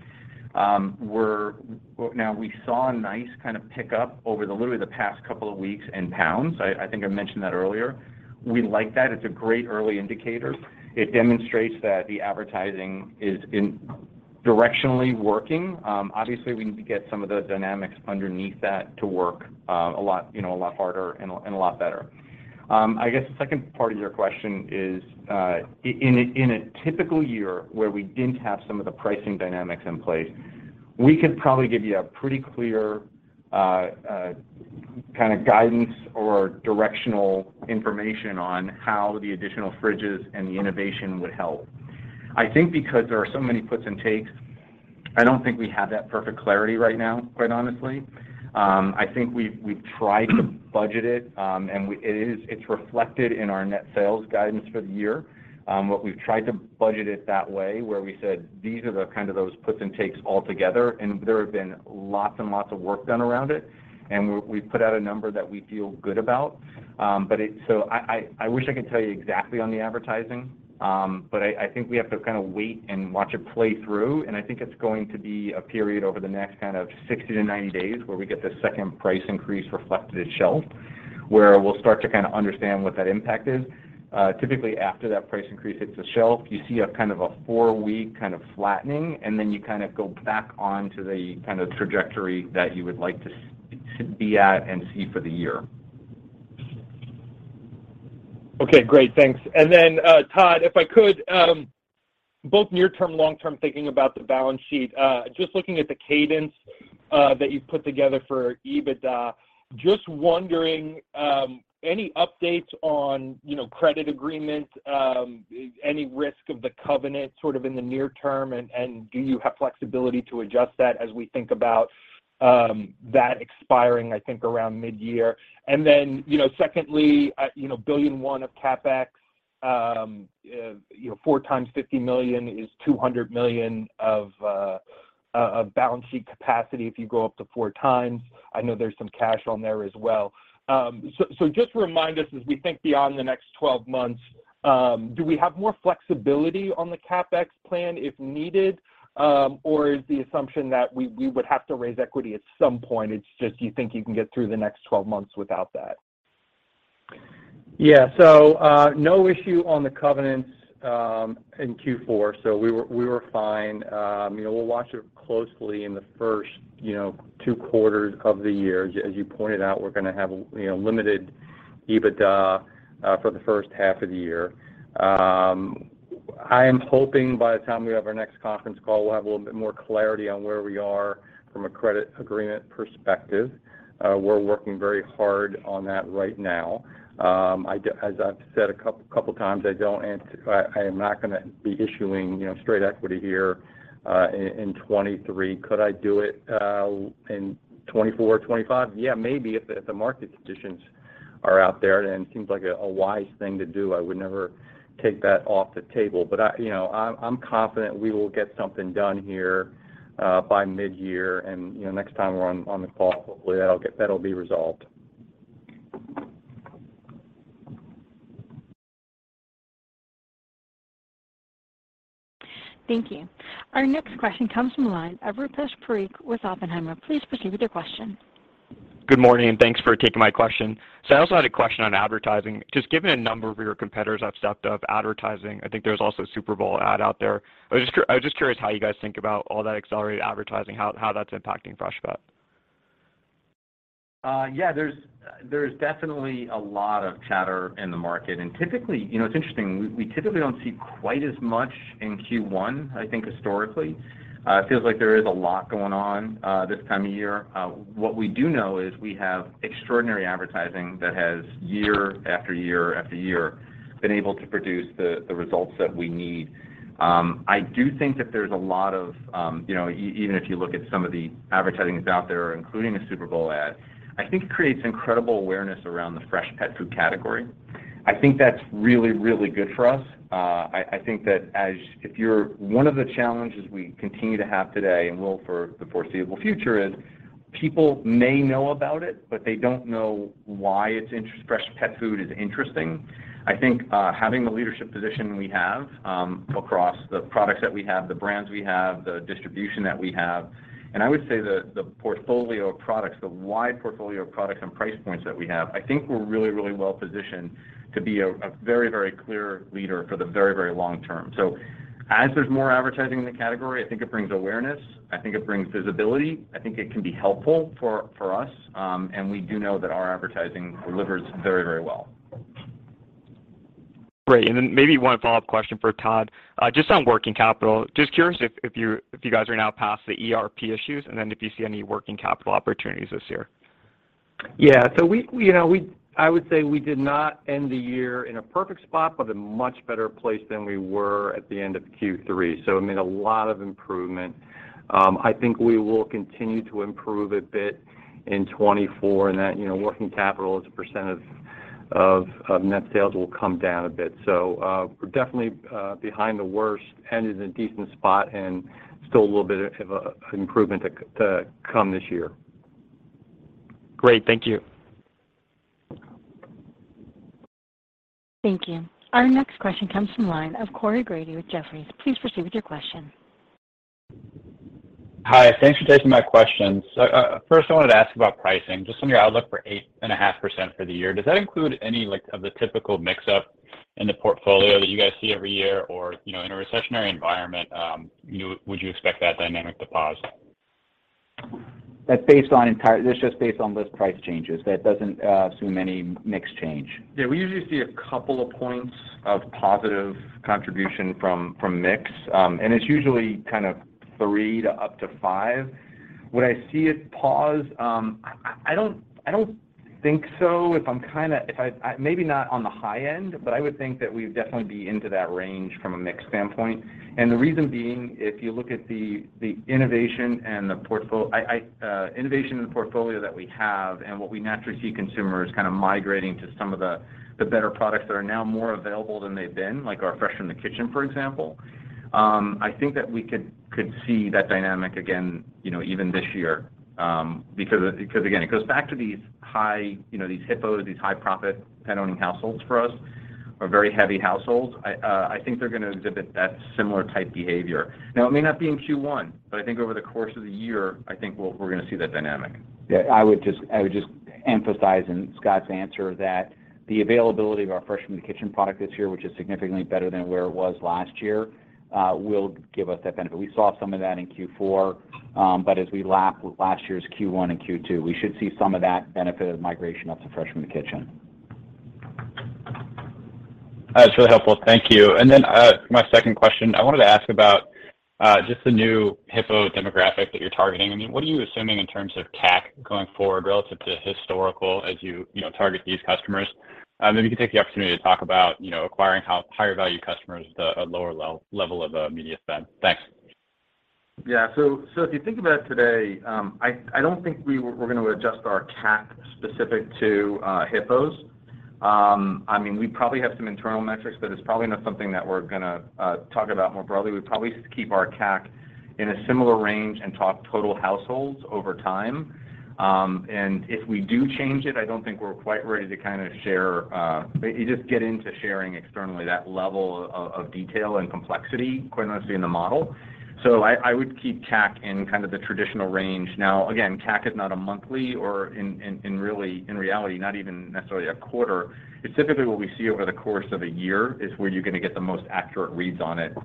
Now we saw a nice kind of pickup over the literally the past couple of weeks in pounds. I think I mentioned that earlier. We like that. It's a great early indicator. It demonstrates that the advertising is in-directionally working. Obviously, we need to get some of the dynamics underneath that to work, a lot, you know, a lot harder and a lot better. I guess the second part of your question is, in a typical year where we didn't have some of the pricing dynamics in place, we could probably give you a pretty clear kind of guidance or directional information on how the additional fridges and the innovation would help. I think because there are so many puts and takes, I don't think we have that perfect clarity right now, quite honestly. I think we've tried to budget it, and it's reflected in our net sales guidance for the year. What we've tried to budget it that way, where we said, "These are the kind of those puts and takes altogether." There have been lots and lots of work done around it. We, we've put out a number that we feel good about. I wish I could tell you exactly on the advertising. I think we have to kind of wait and watch it play through. I think it's going to be a period over the next kind of 60 to 90 days where we get the second price increase reflected at shelf, where we'll start to kinda understand what that impact is. Typically after that price increase hits a shelf, you see a kind of a 4-week kind of flattening, and then you kind of go back onto the kind of trajectory that you would like to be at and see for the year. Okay, great. Thanks. Todd, if I could, both near term, long term, thinking about the balance sheet, just looking at the cadence that you've put together for EBITDA, just wondering, any updates on, you know, credit agreement, any risk of the covenant sort of in the near term? Do you have flexibility to adjust that as we think about that expiring, I think, around mid-year? Secondly, you know, billion one of CapEx you know, four times $50 million is $200 million of balance sheet capacity if you go up to four times. I know there's some cash on there as well. Just remind us as we think beyond the next 12 months, do we have more flexibility on the CapEx plan if needed, or is the assumption that we would have to raise equity at some point, it's just you think you can get through the next 12 months without that? No issue on the covenants in Q4. We were fine. You know, we'll watch it closely in the first, you know, two quarters of the year. As you pointed out, we're gonna have, you know, limited EBITDA for the first half of the year. I am hoping by the time we have our next conference call, we'll have a little bit more clarity on where we are from a credit agreement perspective. We're working very hard on that right now. As I've said a couple times, I am not gonna be issuing, you know, straight equity here in 2023. Could I do it in 2024, 2025? Yeah, maybe if the market conditions are out there and seems like a wise thing to do. I would never take that off the table. I, you know, I'm confident we will get something done here by mid-year and, you know, next time we're on the call, hopefully that'll be resolved. Thank you. Our next question comes from the line of Rupesh Parikh with Oppenheimer. Please proceed with your question. Good morning, thanks for taking my question. I also had a question on advertising. Just given a number of your competitors have stepped up advertising, I think there's also a Super Bowl ad out there. I was just curious how you guys think about all that accelerated advertising, how that's impacting Freshpet. Yeah. There's definitely a lot of chatter in the market. Typically... You know, it's interesting. We typically don't see quite as much in Q1, I think historically. It feels like there is a lot going on this time of year. What we do know is we have extraordinary advertising that has year after year after year been able to produce the results that we need. I do think that there's a lot of, you know, even if you look at some of the advertising that's out there, including a Super Bowl ad, I think creates incredible awareness around the fresh pet food category. I think that's really, really good for us. I think that one of the challenges we continue to have today and will for the foreseeable future is people may know about it, but they don't know why it's fresh pet food is interesting. I think, having the leadership position we have, across the products that we have, the brands we have, the distribution that we have, and I would say the portfolio of products, the wide portfolio of products and price points that we have, I think we're really well positioned to be a very clear leader for the very long term. As there's more advertising in the category, I think it brings awareness, I think it brings visibility, I think it can be helpful for us, and we do know that our advertising delivers very well. Great. Maybe one follow-up question for Todd, just on working capital. Just curious if you guys are now past the ERP issues, and then if you see any working capital opportunities this year. Yeah. We, you know, I would say we did not end the year in a perfect spot, but a much better place than we were at the end of Q3. It made a lot of improvement. I think we will continue to improve a bit in 2024, and that, you know, working capital as a % of net sales will come down a bit. We're definitely behind the worst, ended in a decent spot and still a little bit of improvement to come this year. Great. Thank you. Thank you. Our next question comes from the line of Corey Grady with Jefferies. Please proceed with your question. Hi. Thanks for taking my questions. First I wanted to ask about pricing, just on your outlook for 8.5% for the year. Does that include any, like, of the typical mix-up in the portfolio that you guys see every year or, you know, in a recessionary environment, would you expect that dynamic to pause? That's just based on list price changes. That doesn't assume any mix change. Yeah, we usually see a couple of points of positive contribution from mix. It's usually kind of three to up to five. Would I see it pause? I don't think so. If maybe not on the high end, but I would think that we'd definitely be into that range from a mix standpoint. The reason being, if you look at the innovation and the innovation in the portfolio that we have and what we naturally see consumers kind of migrating to some of the better products that are now more available than they've been, like our Fresh from the Kitchen, for example. I think that we could see that dynamic again, you know, even this year, because again, it goes back to these high, you know, these HIPPO, these high profit pet owning households for us or very heavy households. I think they're gonna exhibit that similar type behavior. It may not be in Q1, but I think over the course of the year, I think we're gonna see that dynamic. Yeah, I would just emphasize in Scott's answer that the availability of our Fresh from the Kitchen product this year, which is significantly better than where it was last year, will give us that benefit. We saw some of that in Q4. As we lap last year's Q1 and Q2, we should see some of that benefit of migration up to Fresh from the Kitchen. That's really helpful. Thank you. My second question, I wanted to ask about just the new HIPPO demographic that you're targeting. I mean, what are you assuming in terms of CAC going forward relative to historical as you know, target these customers? Maybe you can take the opportunity to talk about, you know, acquiring higher value customers at a lower level of media spend. Thanks. Yeah. If you think about today, I don't think we're gonna adjust our CAC specific to HIPPOs. I mean, we probably have some internal metrics, it's probably not something that we're gonna talk about more broadly. We'd probably keep our CAC in a similar range and talk total households over time. If we do change it, I don't think we're quite ready to kind of share, just get into sharing externally that level of detail and complexity, quite honestly, in the model. I would keep CAC in kind of the traditional range. Now, again, CAC is not a monthly or in reality, not even necessarily a quarter. It's typically what we see over the course of a year is where you're gonna get the most accurate reads on it.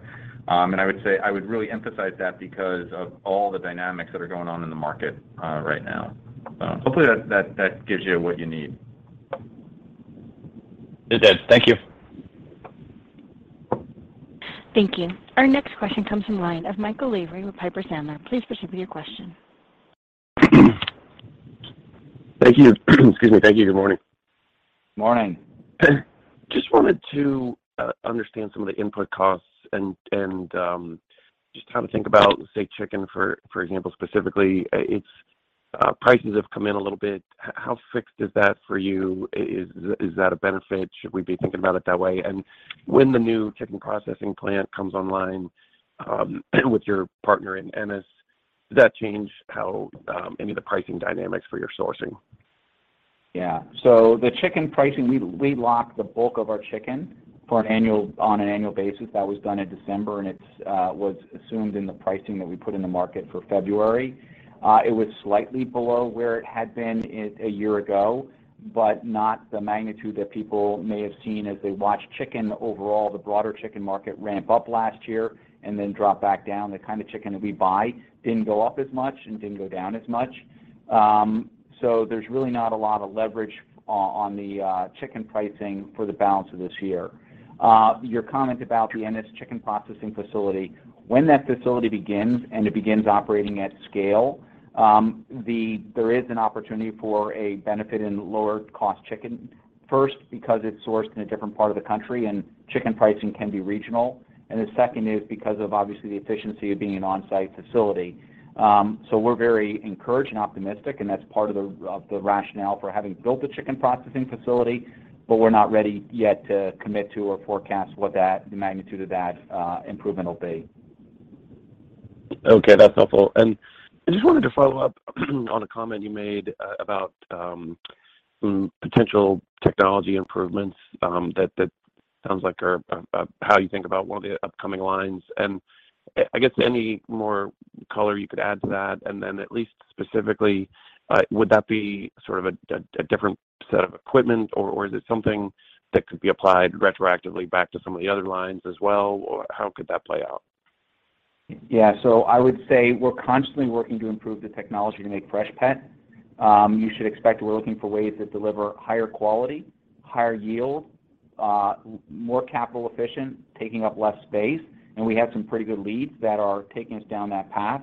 I would say I would really emphasize that because of all the dynamics that are going on in the market right now. Hopefully that gives you what you need. It did. Thank you. Thank you. Our next question comes from line of Michael Lavery with Piper Sandler. Please proceed with your question. Thank you. Excuse me. Thank you. Good morning. Morning. Just wanted to understand some of the input costs and just how to think about, say, chicken, for example, specifically. Its prices have come in a little bit. How fixed is that for you? Is that a benefit? Should we be thinking about it that way? When the new chicken processing plant comes online, with your partner in Ennis, does that change how any of the pricing dynamics for your sourcing? The chicken pricing, we lock the bulk of our chicken on an annual basis. That was done in December, and it's was assumed in the pricing that we put in the market for February. It was slightly below where it had been a year ago, but not the magnitude that people may have seen as they watched chicken overall, the broader chicken market ramp up last year and then drop back down. The kind of chicken that we buy didn't go up as much and didn't go down as much. There's really not a lot of leverage on the chicken pricing for the balance of this year. Your comment about the Ennis chicken processing facility, when that facility begins, and it begins operating at scale, there is an opportunity for a benefit in lower cost chicken. First, because it's sourced in a different part of the country and chicken pricing can be regional, and the second is because of obviously the efficiency of being an on-site facility. We're very encouraged and optimistic, and that's part of the, of the rationale for having built the chicken processing facility, but we're not ready yet to commit to or forecast what that, the magnitude of that, improvement will be. Okay, that's helpful. I just wanted to follow up on a comment you made about some potential technology improvements, that sounds like are how you think about one of the upcoming lines. I guess any more color you could add to that, and then at least specifically, would that be sort of a different set of equipment, or is it something that could be applied retroactively back to some of the other lines as well? How could that play out? Yeah. I would say we're constantly working to improve the technology to make Freshpet. You should expect we're looking for ways that deliver higher quality, higher yield, more capital efficient, taking up less space, and we have some pretty good leads that are taking us down that path.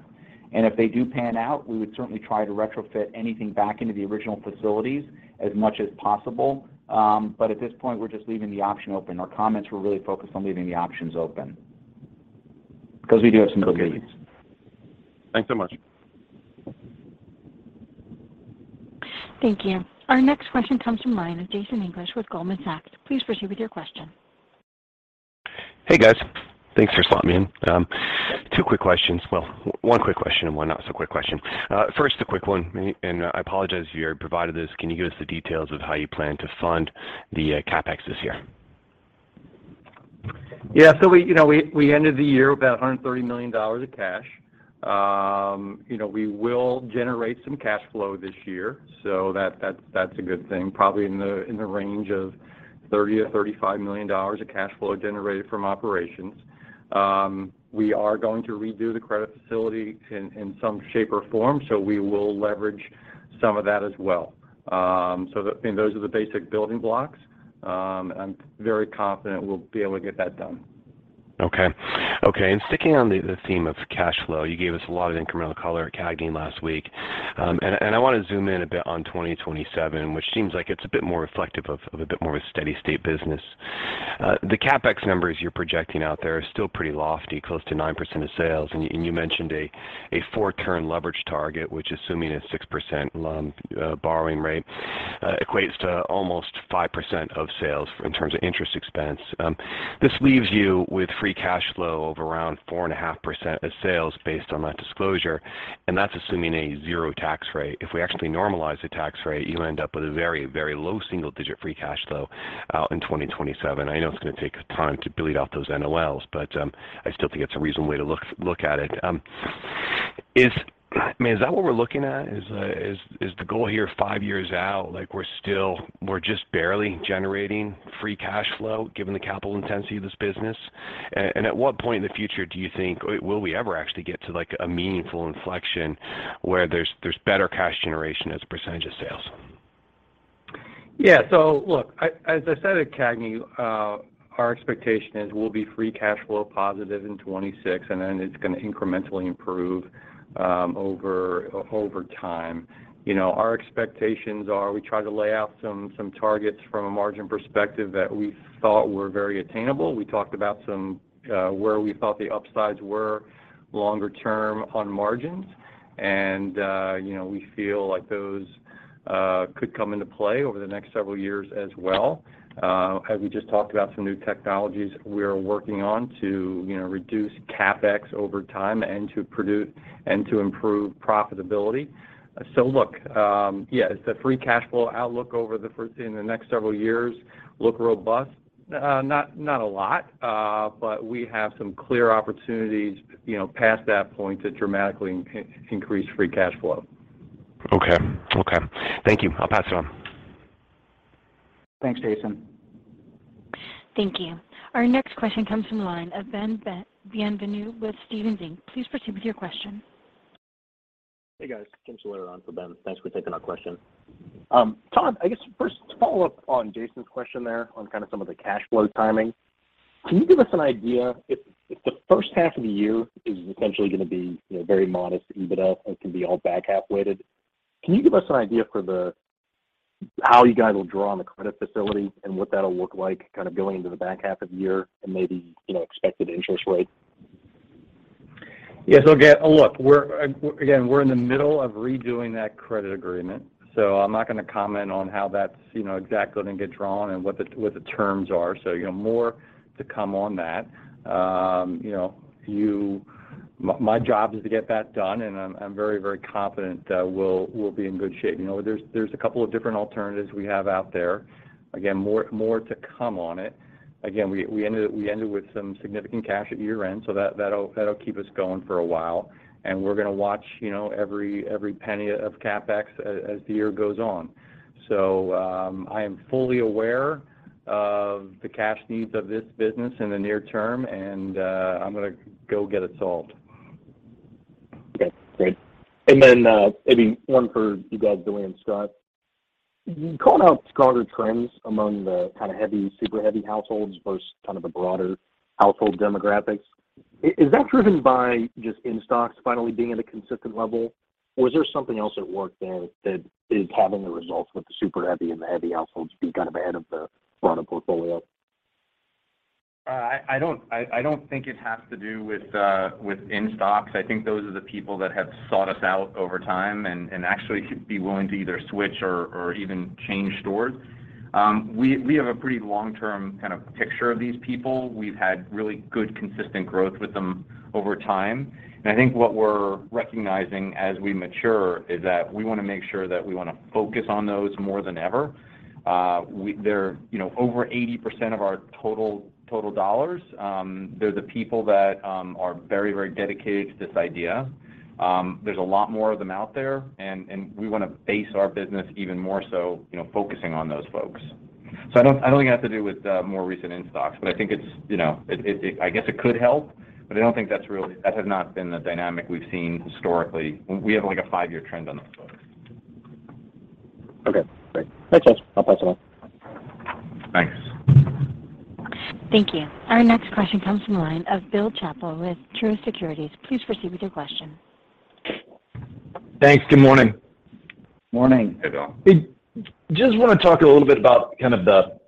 If they do pan out, we would certainly try to retrofit anything back into the original facilities as much as possible. At this point, we're just leaving the option open. Our comments were really focused on leaving the options open because we do have some good leads. Thanks so much. Thank you. Our next question comes from line of Jason English with Goldman Sachs. Please proceed with your question. Hey, guys. Thanks for slotting me in. Two quick questions. Well, one quick question and one not so quick question. First, the quick one, and I apologize if you already provided this. Can you give us the details of how you plan to fund the CapEx this year? Yeah. We, you know, we ended the year with about $130 million of cash. You know, we will generate some cash flow this year, so that's a good thing, probably in the range of $30 million-$35 million of cash flow generated from operations. We are going to redo the credit facility in some shape or form, so we will leverage some of that as well. Those are the basic building blocks. I'm very confident we'll be able to get that done. Okay. Okay. Sticking on the theme of cash flow, you gave us a lot of incremental color at CAGNY last week. I wanna zoom in a bit on 2027, which seems like it's a bit more reflective of a bit more of a steady state business. The CapEx numbers you're projecting out there are still pretty lofty, close to 9% of sales. You mentioned a four turn leverage target, which assuming a 6% loan borrowing rate equates to almost 5% of sales in terms of interest expense. This leaves you with free cash flow of around 4.5% of sales based on that disclosure, and that's assuming a zero tax rate. If we actually normalize the tax rate, you end up with a very, very low single-digit free cash flow in 2027. I know it's gonna take time to bleed out those NOLs, but I still think it's a reasonable way to look at it. I mean, is that what we're looking at? Is the goal here five years out? Like we're just barely generating free cash flow given the capital intensity of this business. At what point in the future do you think, will we ever actually get to like a meaningful inflection where there's better cash generation as a percent of sales? Yeah. look, as I said at CAGNY, our expectation is we'll be free cash flow positive in 2026, it's gonna incrementally improve over time. You know, our expectations are we try to lay out some targets from a margin perspective that we thought were very attainable. We talked about some where we thought the upsides were longer term on margins. You know, we feel like those could come into play over the next several years as well. As we just talked about some new technologies we're working on to, you know, reduce CapEx over time and to improve profitability. look, yes, the free cash flow outlook over in the next several years look robust. Not a lot, we have some clear opportunities, you know, past that point to dramatically increase free cash flow. Okay. Okay. Thank you. I'll pass it on. Thanks, Jason. Thank you. Our next question comes from the line of Ben Bienvenu with Stephens Inc. Please proceed with your question. Hey, guys. It's [inaudible] for Ben. Thanks for taking our question. Todd, I guess first to follow up on Jason's question there on kind of some of the cash flow timing. Can you give us an idea if the first half of the year is essentially gonna be, you know, very modest EBITDA and can be all back half-weighted, can you give us an idea how you guys will draw on the credit facility and what that'll look like kind of going into the back half of the year and maybe, you know, expected interest rates? Yes. Look, we're in the middle of redoing that credit agreement, so I'm not gonna comment on how that's, you know, exactly gonna get drawn and what the terms are. You know, more to come on that. You know, my job is to get that done, and I'm very, very confident that we'll be in good shape. You know, there's a couple of different alternatives we have out there. More to come on it. We ended with some significant cash at year-end, so that'll keep us going for a while. We're gonna watch, you know, every penny of CapEx as the year goes on. I am fully aware of the cash needs of this business in the near term, and, I'm gonna go get it solved. Okay, great. Then, maybe one for you guys, Billy and Scott. You called out stronger trends among the kind of heavy, super heavy households versus kind of the broader household demographics. Is that driven by just in-stocks finally being at a consistent level, or is there something else at work there that is having the results with the super heavy and the heavy households be kind of ahead of the broader portfolio? I don't think it has to do with in-stocks. I think those are the people that have sought us out over time and actually be willing to either switch or even change stores. We have a pretty long-term kind of picture of these people. We've had really good, consistent growth with them over time. I think what we're recognizing as we mature is that we wanna make sure that we focus on those more than ever. They're, you know, over 80% of our total dollars. They're the people that are very dedicated to this idea. There's a lot more of them out there, and we wanna base our business even more so, you know, focusing on those folks I don't think it has to do with, more recent in-stocks, but I think it's, you know. I guess it could help, but I don't think that has not been the dynamic we've seen historically. We have, like, a 5-year trend on those folks. Okay, great. Thanks, guys. I'll pass it on. Thanks. Thank you. Our next question comes from the line of Bill Chappell with Truist Securities. Please proceed with your question. Thanks. Good morning. Morning. Hey, Bill. Just wanna talk a little bit about kind of the,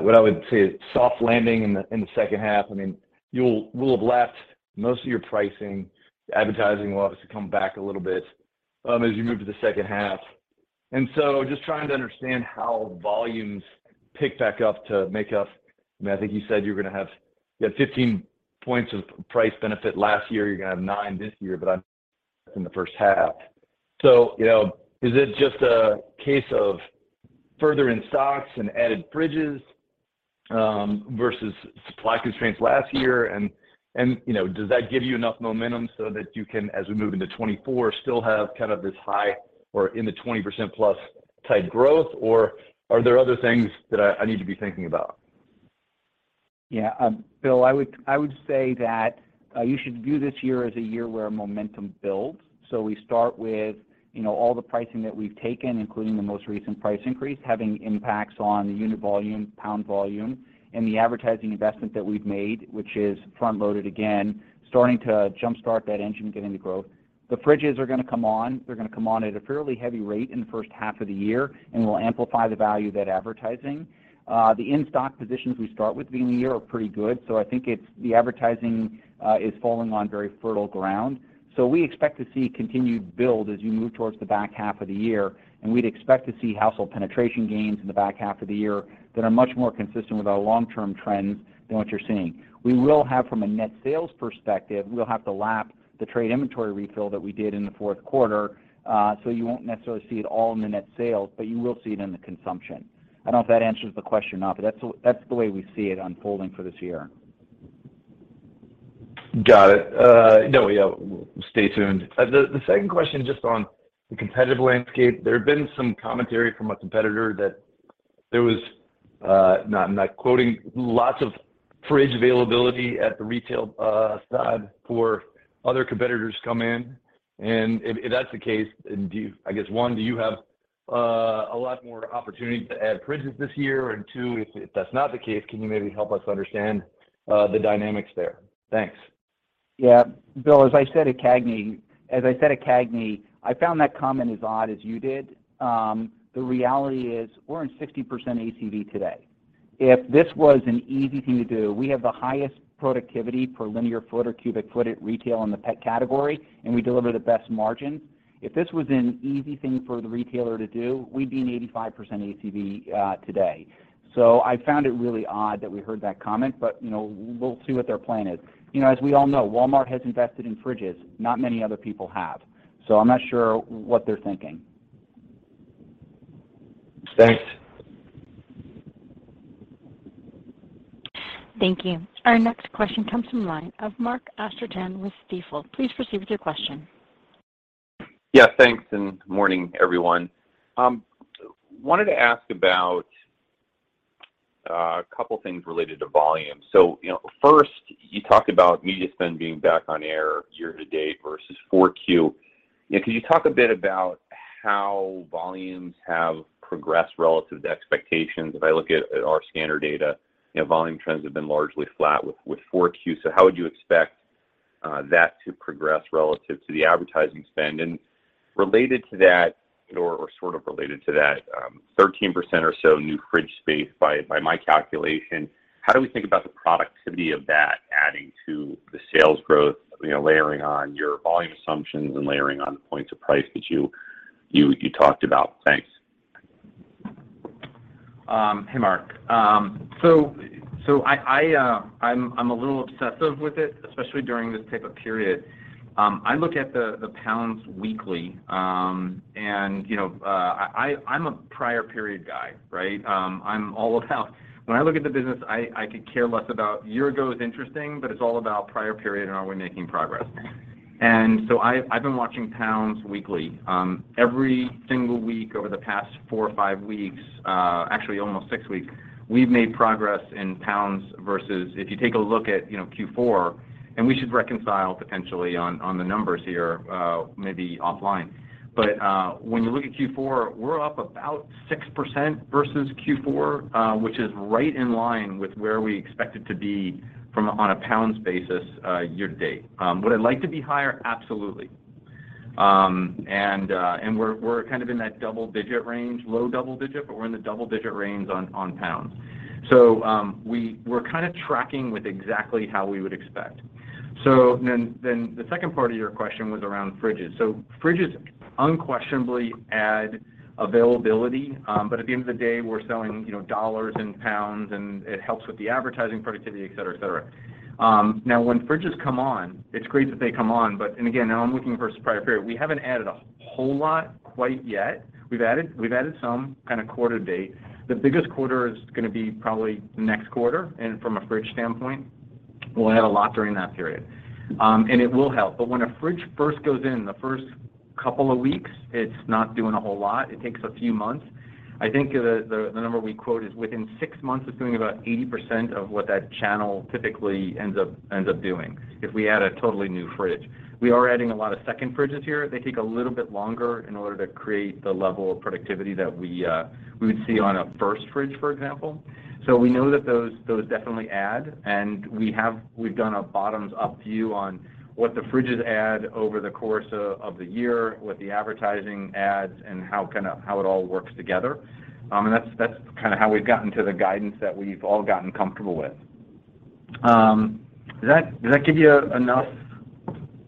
what I would say soft landing in the second half. I mean, you'll have left most of your pricing. Advertising will obviously come back a little bit as you move to the second half. Just trying to understand how volumes pick back up to make up. I mean, I think you said you're gonna have, you had 15 points of price benefit last year. You're gonna have nine this year, but I'm in the first half. You know, is it just a case of further in-stocks and added fridges versus supply constraints last year? You know, does that give you enough momentum so that you can, as we move into 2024, still have kind of this high or in the 20%+ type growth, or are there other things that I need to be thinking about? Bill, I would say that you should view this year as a year where momentum builds. We start with, you know, all the pricing that we've taken, including the most recent price increase, having impacts on the unit volume, pound volume, and the advertising investment that we've made, which is front-loaded again, starting to jumpstart that engine getting the growth. The fridges are gonna come on. They're gonna come on at a fairly heavy rate in the first half of the year and will amplify the value of that advertising. The in-stock positions we start with being in the year are pretty good, so I think it's the advertising is falling on very fertile ground. We expect to see continued build as you move towards the back half of the year, and we'd expect to see household penetration gains in the back half of the year that are much more consistent with our long-term trends than what you're seeing. We will have from a net sales perspective, we'll have to lap the trade inventory refill that we did in the fourth quarter. You won't necessarily see it all in the net sales, but you will see it in the consumption. I don't know if that answers the question or not, but that's the way we see it unfolding for this year. Got it. No, yeah, we'll stay tuned. The second question, just on the competitive landscape. There have been some commentary from a competitor that there was, I'm not quoting, lots of fridge availability at the retail side for other competitors to come in. If, if that's the case, then I guess, one, do you have a lot more opportunity to add fridges this year. Two, if that's not the case, can you maybe help us understand the dynamics there? Thanks. Yeah. Bill, as I said at CAGNY, I found that comment as odd as you did. The reality is we're in 60% ACV today. If this was an easy thing to do, we have the highest productivity per linear foot or cubic foot at retail in the pet category, and we deliver the best margin. If this was an easy thing for the retailer to do, we'd be in 85% ACV today. I found it really odd that we heard that comment, but, you know, we'll see what their plan is. You know, as we all know, Walmart has invested in fridges, not many other people have. I'm not sure what they're thinking. Thanks. Thank you. Our next question comes from the line of Mark Astrachan with Stifel. Please proceed with your question. Yeah, thanks, and morning, everyone. wanted to ask about a couple of things related to volume. You know, first, you talked about media spend being back on air year to date versus 4Q. You know, can you talk a bit about how volumes have progressed relative to expectations? If I look at our scanner data, you know, volume trends have been largely flat with 4Q. How would you expect that to progress relative to the advertising spend? Related to that or sort of related to that, 13% or so new fridge space by my calculation, how do we think about the productivity of that adding to the sales growth, you know, layering on your volume assumptions and layering on the points of price that you talked about? Thanks. Hey, Mark. I'm a little obsessive with it, especially during this type of period. I look at the pounds weekly. You know, I'm a prior period guy, right? I'm all about when I look at the business, I could care less about. Year ago is interesting, but it's all about prior period and are we making progress. I've been watching pounds weekly. Every single week over the past four or five weeks, actually almost six weeks, we've made progress in pounds versus if you take a look at, you know, Q4, we should reconcile potentially on the numbers here, maybe offline. When you look at Q4, we're up about 6% versus Q4, which is right in line with where we expect it to be on a pounds basis year to date. Would I like to be higher? Absolutely. We're kind of in that double-digit range, low double-digit, but we're in the double-digit range on pounds. We're kind of tracking with exactly how we would expect. Then the second part of your question was around fridges. Fridges unquestionably add availability. At the end of the day, we're selling, you know, dollars and pounds, and it helps with the advertising productivity, et cetera, et cetera. Now when fridges come on, it's great that they come on. Again, now I'm looking versus prior period. We haven't added a whole lot quite yet. We've added some kinda quarter to date. The biggest quarter is gonna be probably next quarter. From a fridge standpoint, we'll add a lot during that period. And it will help. When a fridge first goes in, the first couple of weeks, it's not doing a whole lot. It takes a few months. I think the number we quote is within six months, it's doing about 80% of what that channel typically ends up doing if we add a totally new fridge. We are adding a lot of second fridges here. They take a little bit longer in order to create the level of productivity that we would see on a first fridge, for example. We know that those definitely add, and we've done a bottoms up view on what the fridges add over the course of the year with the advertising ads and how it all works together. That's kinda how we've gotten to the guidance that we've all gotten comfortable with. Does that give you enough...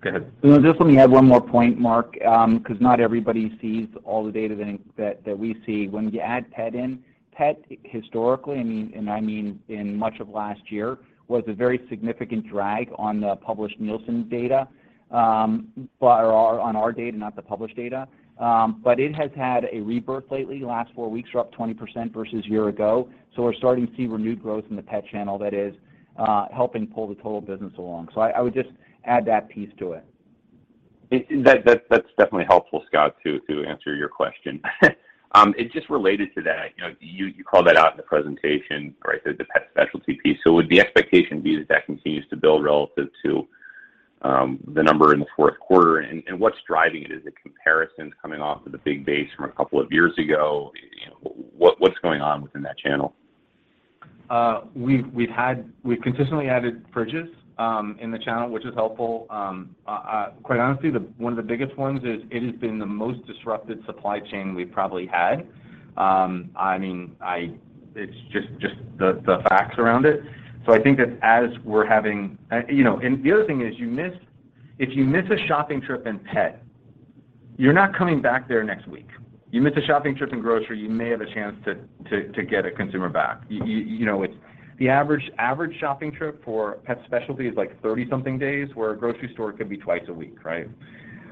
Go ahead. Just let me add one more point, Mark, 'cause not everybody sees all the data that we see. When you add pet in, pet historically, I mean, and I mean in much of last year, was a very significant drag on the published Nielsen data, but or on our data, not the published data. It has had a rebirth lately. Last four weeks we're up 20% versus year ago. We're starting to see renewed growth in the pet channel that is helping pull the total business along. I would just add that piece to it. That's definitely helpful, Scott, to answer your question. Just related to that, you know, you called that out in the presentation, right? The pet specialty piece. Would the expectation be is that continues to build relative to the number in the fourth quarter? What's driving it? Is it comparisons coming off of the big base from a couple of years ago? You know, what's going on within that channel? We've consistently added fridges in the channel, which is helpful. Quite honestly, one of the biggest ones is it has been the most disrupted supply chain we've probably had. I mean, it's just the facts around it. I think that as we're having, you know, the other thing is if you miss a shopping trip in pet, you're not coming back there next week. You miss a shopping trip in grocery, you may have a chance to get a consumer back. You know, the average shopping trip for pet specialty is, like, 30 something days, where a grocery store could be twice a week, right?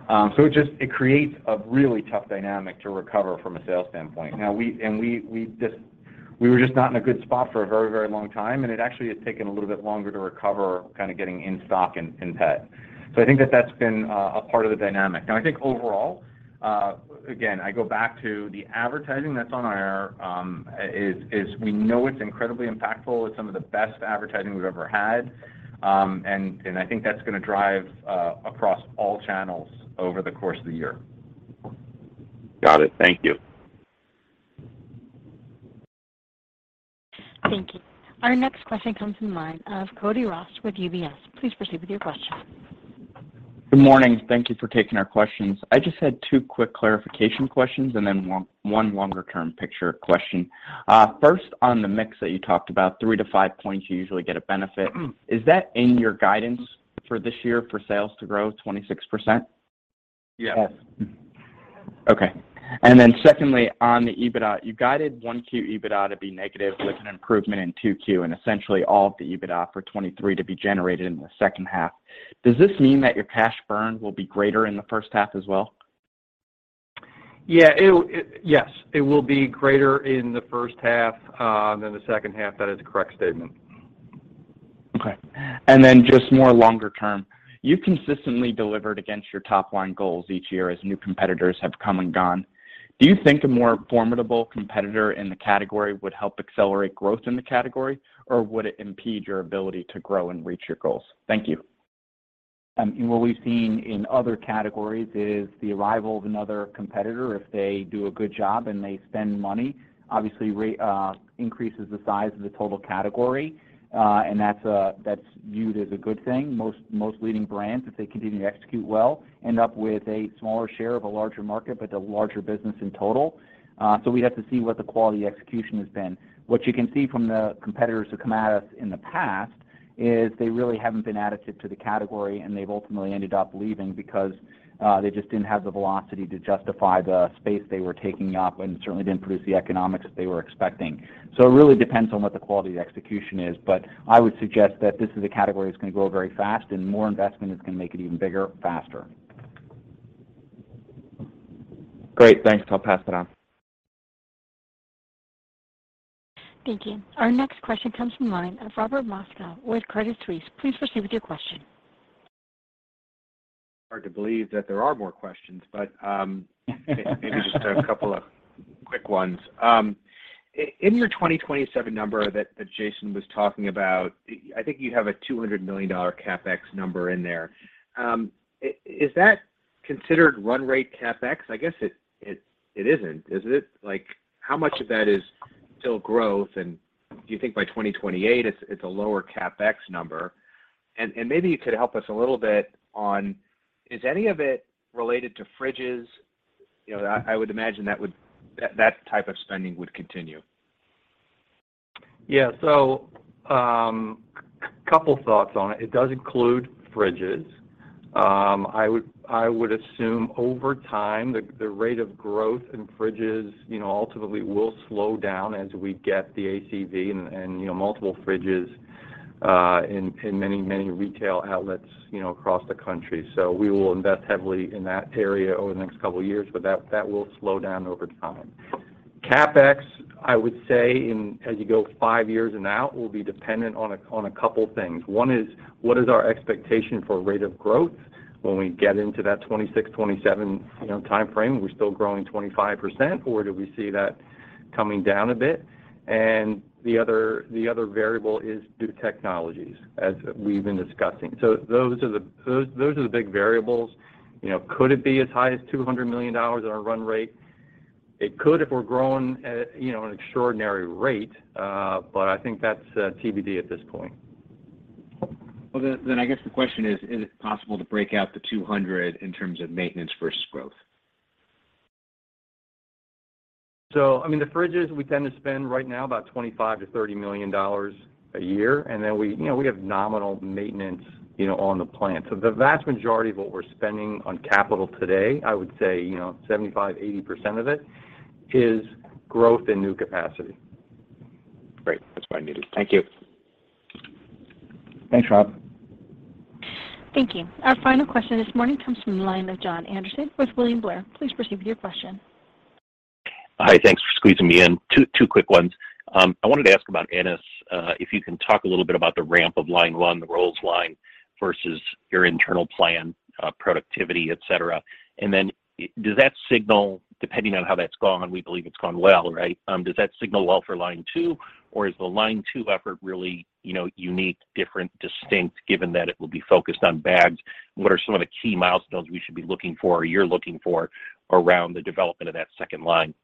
It creates a really tough dynamic to recover from a sales standpoint. We were just not in a good spot for a very, very long time, and it actually has taken a little bit longer to recover kinda getting in stock in pet. I think that that's been a part of the dynamic. I think overall, again, I go back to the advertising that's on air, we know it's incredibly impactful. It's some of the best advertising we've ever had. And I think that's gonna drive across all channels over the course of the year. Got it. Thank you. Our next question comes from the line of Cody Ross with UBS. Please proceed with your question. Good morning. Thank you for taking our questions. I just had two quick clarification questions and then one longer term picture question. First on the mix that you talked about, three to five points you usually get a benefit. Is that in your guidance for this year for sales to grow 26%? Yes. Okay. Then secondly, on the EBITDA, you guided 1Q EBITDA to be negative with an improvement in 2Q, and essentially all of the EBITDA for 2023 to be generated in the second half. Does this mean that your cash burn will be greater in the first half as well? Yeah. Yes. It will be greater in the first half, than the second half. That is a correct statement. Okay. Just more longer term, you've consistently delivered against your top line goals each year as new competitors have come and gone. Do you think a more formidable competitor in the category would help accelerate growth in the category, or would it impede your ability to grow and reach your goals? Thank you. What we've seen in other categories is the arrival of another competitor, if they do a good job and they spend money, obviously increases the size of the total category, and that's viewed as a good thing. Most leading brands, if they continue to execute well, end up with a smaller share of a larger market, but a larger business in total. We'd have to see what the quality execution has been. What you can see from the competitors who come at us in the past is they really haven't been additive to the category, and they've ultimately ended up leaving because they just didn't have the velocity to justify the space they were taking up and certainly didn't produce the economics that they were expecting. It really depends on what the quality of execution is, but I would suggest that this is a category that's gonna grow very fast and more investment is gonna make it even bigger faster. Great. Thanks. I'll pass it on. Thank you. Our next question comes from line of Robert Moskow with Credit Suisse. Please proceed with your question. Hard to believe that there are more questions. Maybe just a couple of quick ones. In your 2027 number that Jason was talking about, I think you have a $200 million CapEx number in there. Is that considered run rate CapEx? I guess it isn't, is it? Like, how much of that is still growth, and do you think by 2028 it's a lower CapEx number? Maybe you could help us a little bit on, is any of it related to fridges? You know, I would imagine that type of spending would continue. Yeah. Couple thoughts on it. It does include fridges. I would assume over time, the rate of growth in fridges, you know, ultimately will slow down as we get the ACV and, you know, multiple fridges in many, many retail outlets, you know, across the country. We will invest heavily in that area over the next couple of years, but that will slow down over time. CapEx, I would say as you go five years and out, will be dependent on a couple things. One is, what is our expectation for rate of growth when we get into that 26%, 27%, you know, timeframe? Are we still growing 25% or do we see that coming down a bit? The other variable is new technologies, as we've been discussing. Those are the big variables. You know, could it be as high as $200 million on a run rate? It could if we're growing at, you know, an extraordinary rate, but I think that's TBD at this point. I guess the question is it possible to break out the $200 in terms of maintenance versus growth? I mean, the fridges we tend to spend right now about $25 million-$30 million a year, and then we, you know, we have nominal maintenance, you know, on the plant. The vast majority of what we're spending on capital today, I would say, you know, 75% to 80% of it is growth in new capacity. Great. That's what I needed. Thank you. Thanks, Rob. Thank you. Our final question this morning comes from the line of Jon Andersen with William Blair. Please proceed with your question. Hi. Thanks for squeezing me in. Two quick ones. I wanted to ask about Ennis. If you can talk a little bit about the ramp of line one, the rolls line versus your internal plan, productivity, etc. Does that signal, depending on how that's gone, we believe it's gone well, right? Does that signal well for line two? Or is the line two effort really, you know, unique, different, distinct, given that it will be focused on bags? What are some of the key milestones we should be looking for or you're looking for around the development of that second line?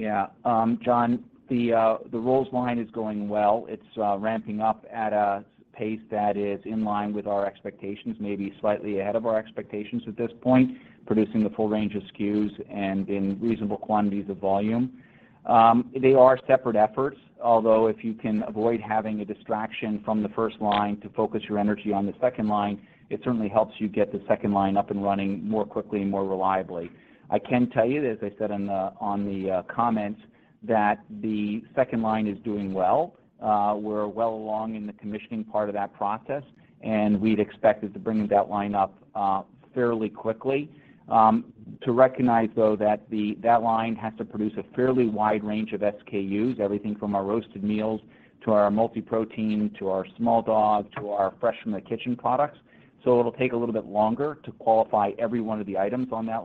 Yeah. Jon, the rolls line is going well. It's ramping up at a pace that is in line with our expectations, maybe slightly ahead of our expectations at this point, producing the full range of SKUs and in reasonable quantities of volume. They are separate efforts, although if you can avoid having a distraction from the first line to focus your energy on the second line, it certainly helps you get the second line up and running more quickly and more reliably. I can tell you, as I said on the comments, that the second line is doing well. We're well along in the commissioning part of that process, and we'd expected to bringing that line up fairly quickly. To recognize though that line has to produce a fairly wide range of SKUs, everything from our roasted meals to our multi-protein, to our small dog, to our Fresh from the Kitchen products. It'll take a little bit longer to qualify every one of the items on that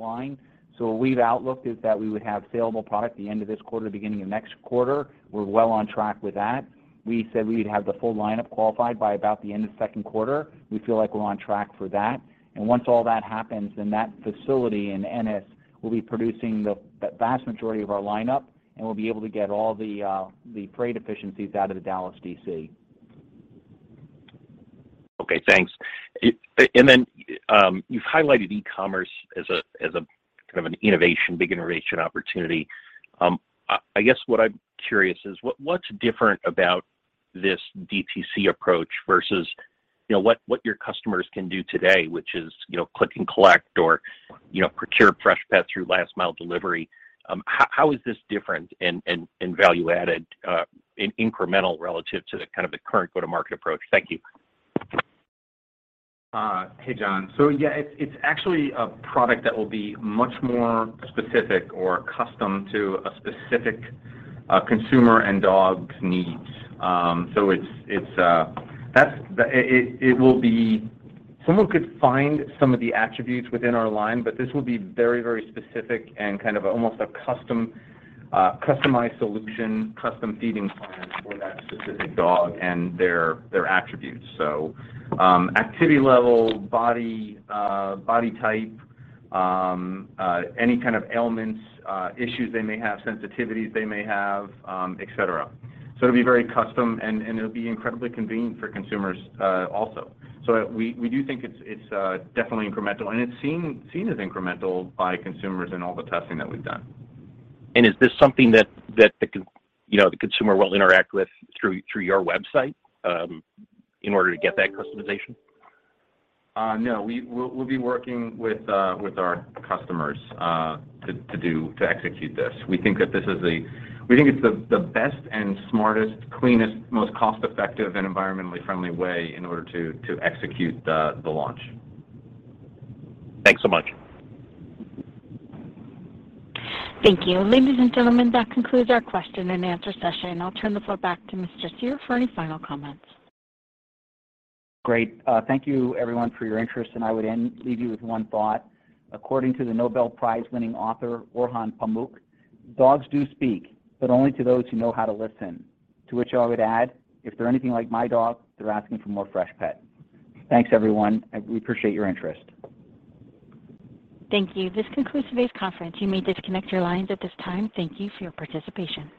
line. What we've outlooked is that we would have saleable product at the end of this quarter, beginning of next quarter. We're well on track with that. We said we'd have the full lineup qualified by about the end of second quarter. We feel like we're on track for that. Once all that happens, that facility in Ennis will be producing the vast majority of our lineup, and we'll be able to get all the freight efficiencies out of the Dallas DC. Okay, thanks. And then, you've highlighted e-commerce as a kind of an innovation, big innovation opportunity. I guess what's different about this DTC approach versus, you know, what your customers can do today, which is, you know, click and collect or, you know, procure Freshpet through last mile delivery? How is this different and value added, in incremental relative to the kind of the current go-to-market approach? Thank you. Hey, Jon. Yeah, it's actually a product that will be much more specific or custom to a specific consumer and dog's needs. Someone could find some of the attributes within our line, but this will be very, very specific and kind of almost a customized solution, custom feeding plan for that specific dog and their attributes. Activity level, body type, any kind of ailments, issues they may have, sensitivities they may have, et cetera. It'll be very custom and it'll be incredibly convenient for consumers also. We do think it's definitely incremental, and it's seen as incremental by consumers in all the testing that we've done. Is this something that, you know, the consumer will interact with through your website, in order to get that customization? No. We'll be working with our customers, to execute this. We think that this is the. We think it's the best and smartest, cleanest, most cost-effective and environmentally friendly way in order to execute the launch. Thanks so much. Thank you. Ladies and gentlemen, that concludes our question and answer session. I'll turn the floor back to Mr. Cyr for any final comments. Great. Thank you everyone for your interest, and I would end, leave you with one thought. According to the Nobel Prize-winning author, Orhan Pamuk, "Dogs do speak, but only to those who know how to listen." To which I would add, if they're anything like my dog, they're asking for more Freshpet. Thanks, everyone. We appreciate your interest. Thank you. This concludes today's conference. You may disconnect your lines at this time. Thank you for your participation.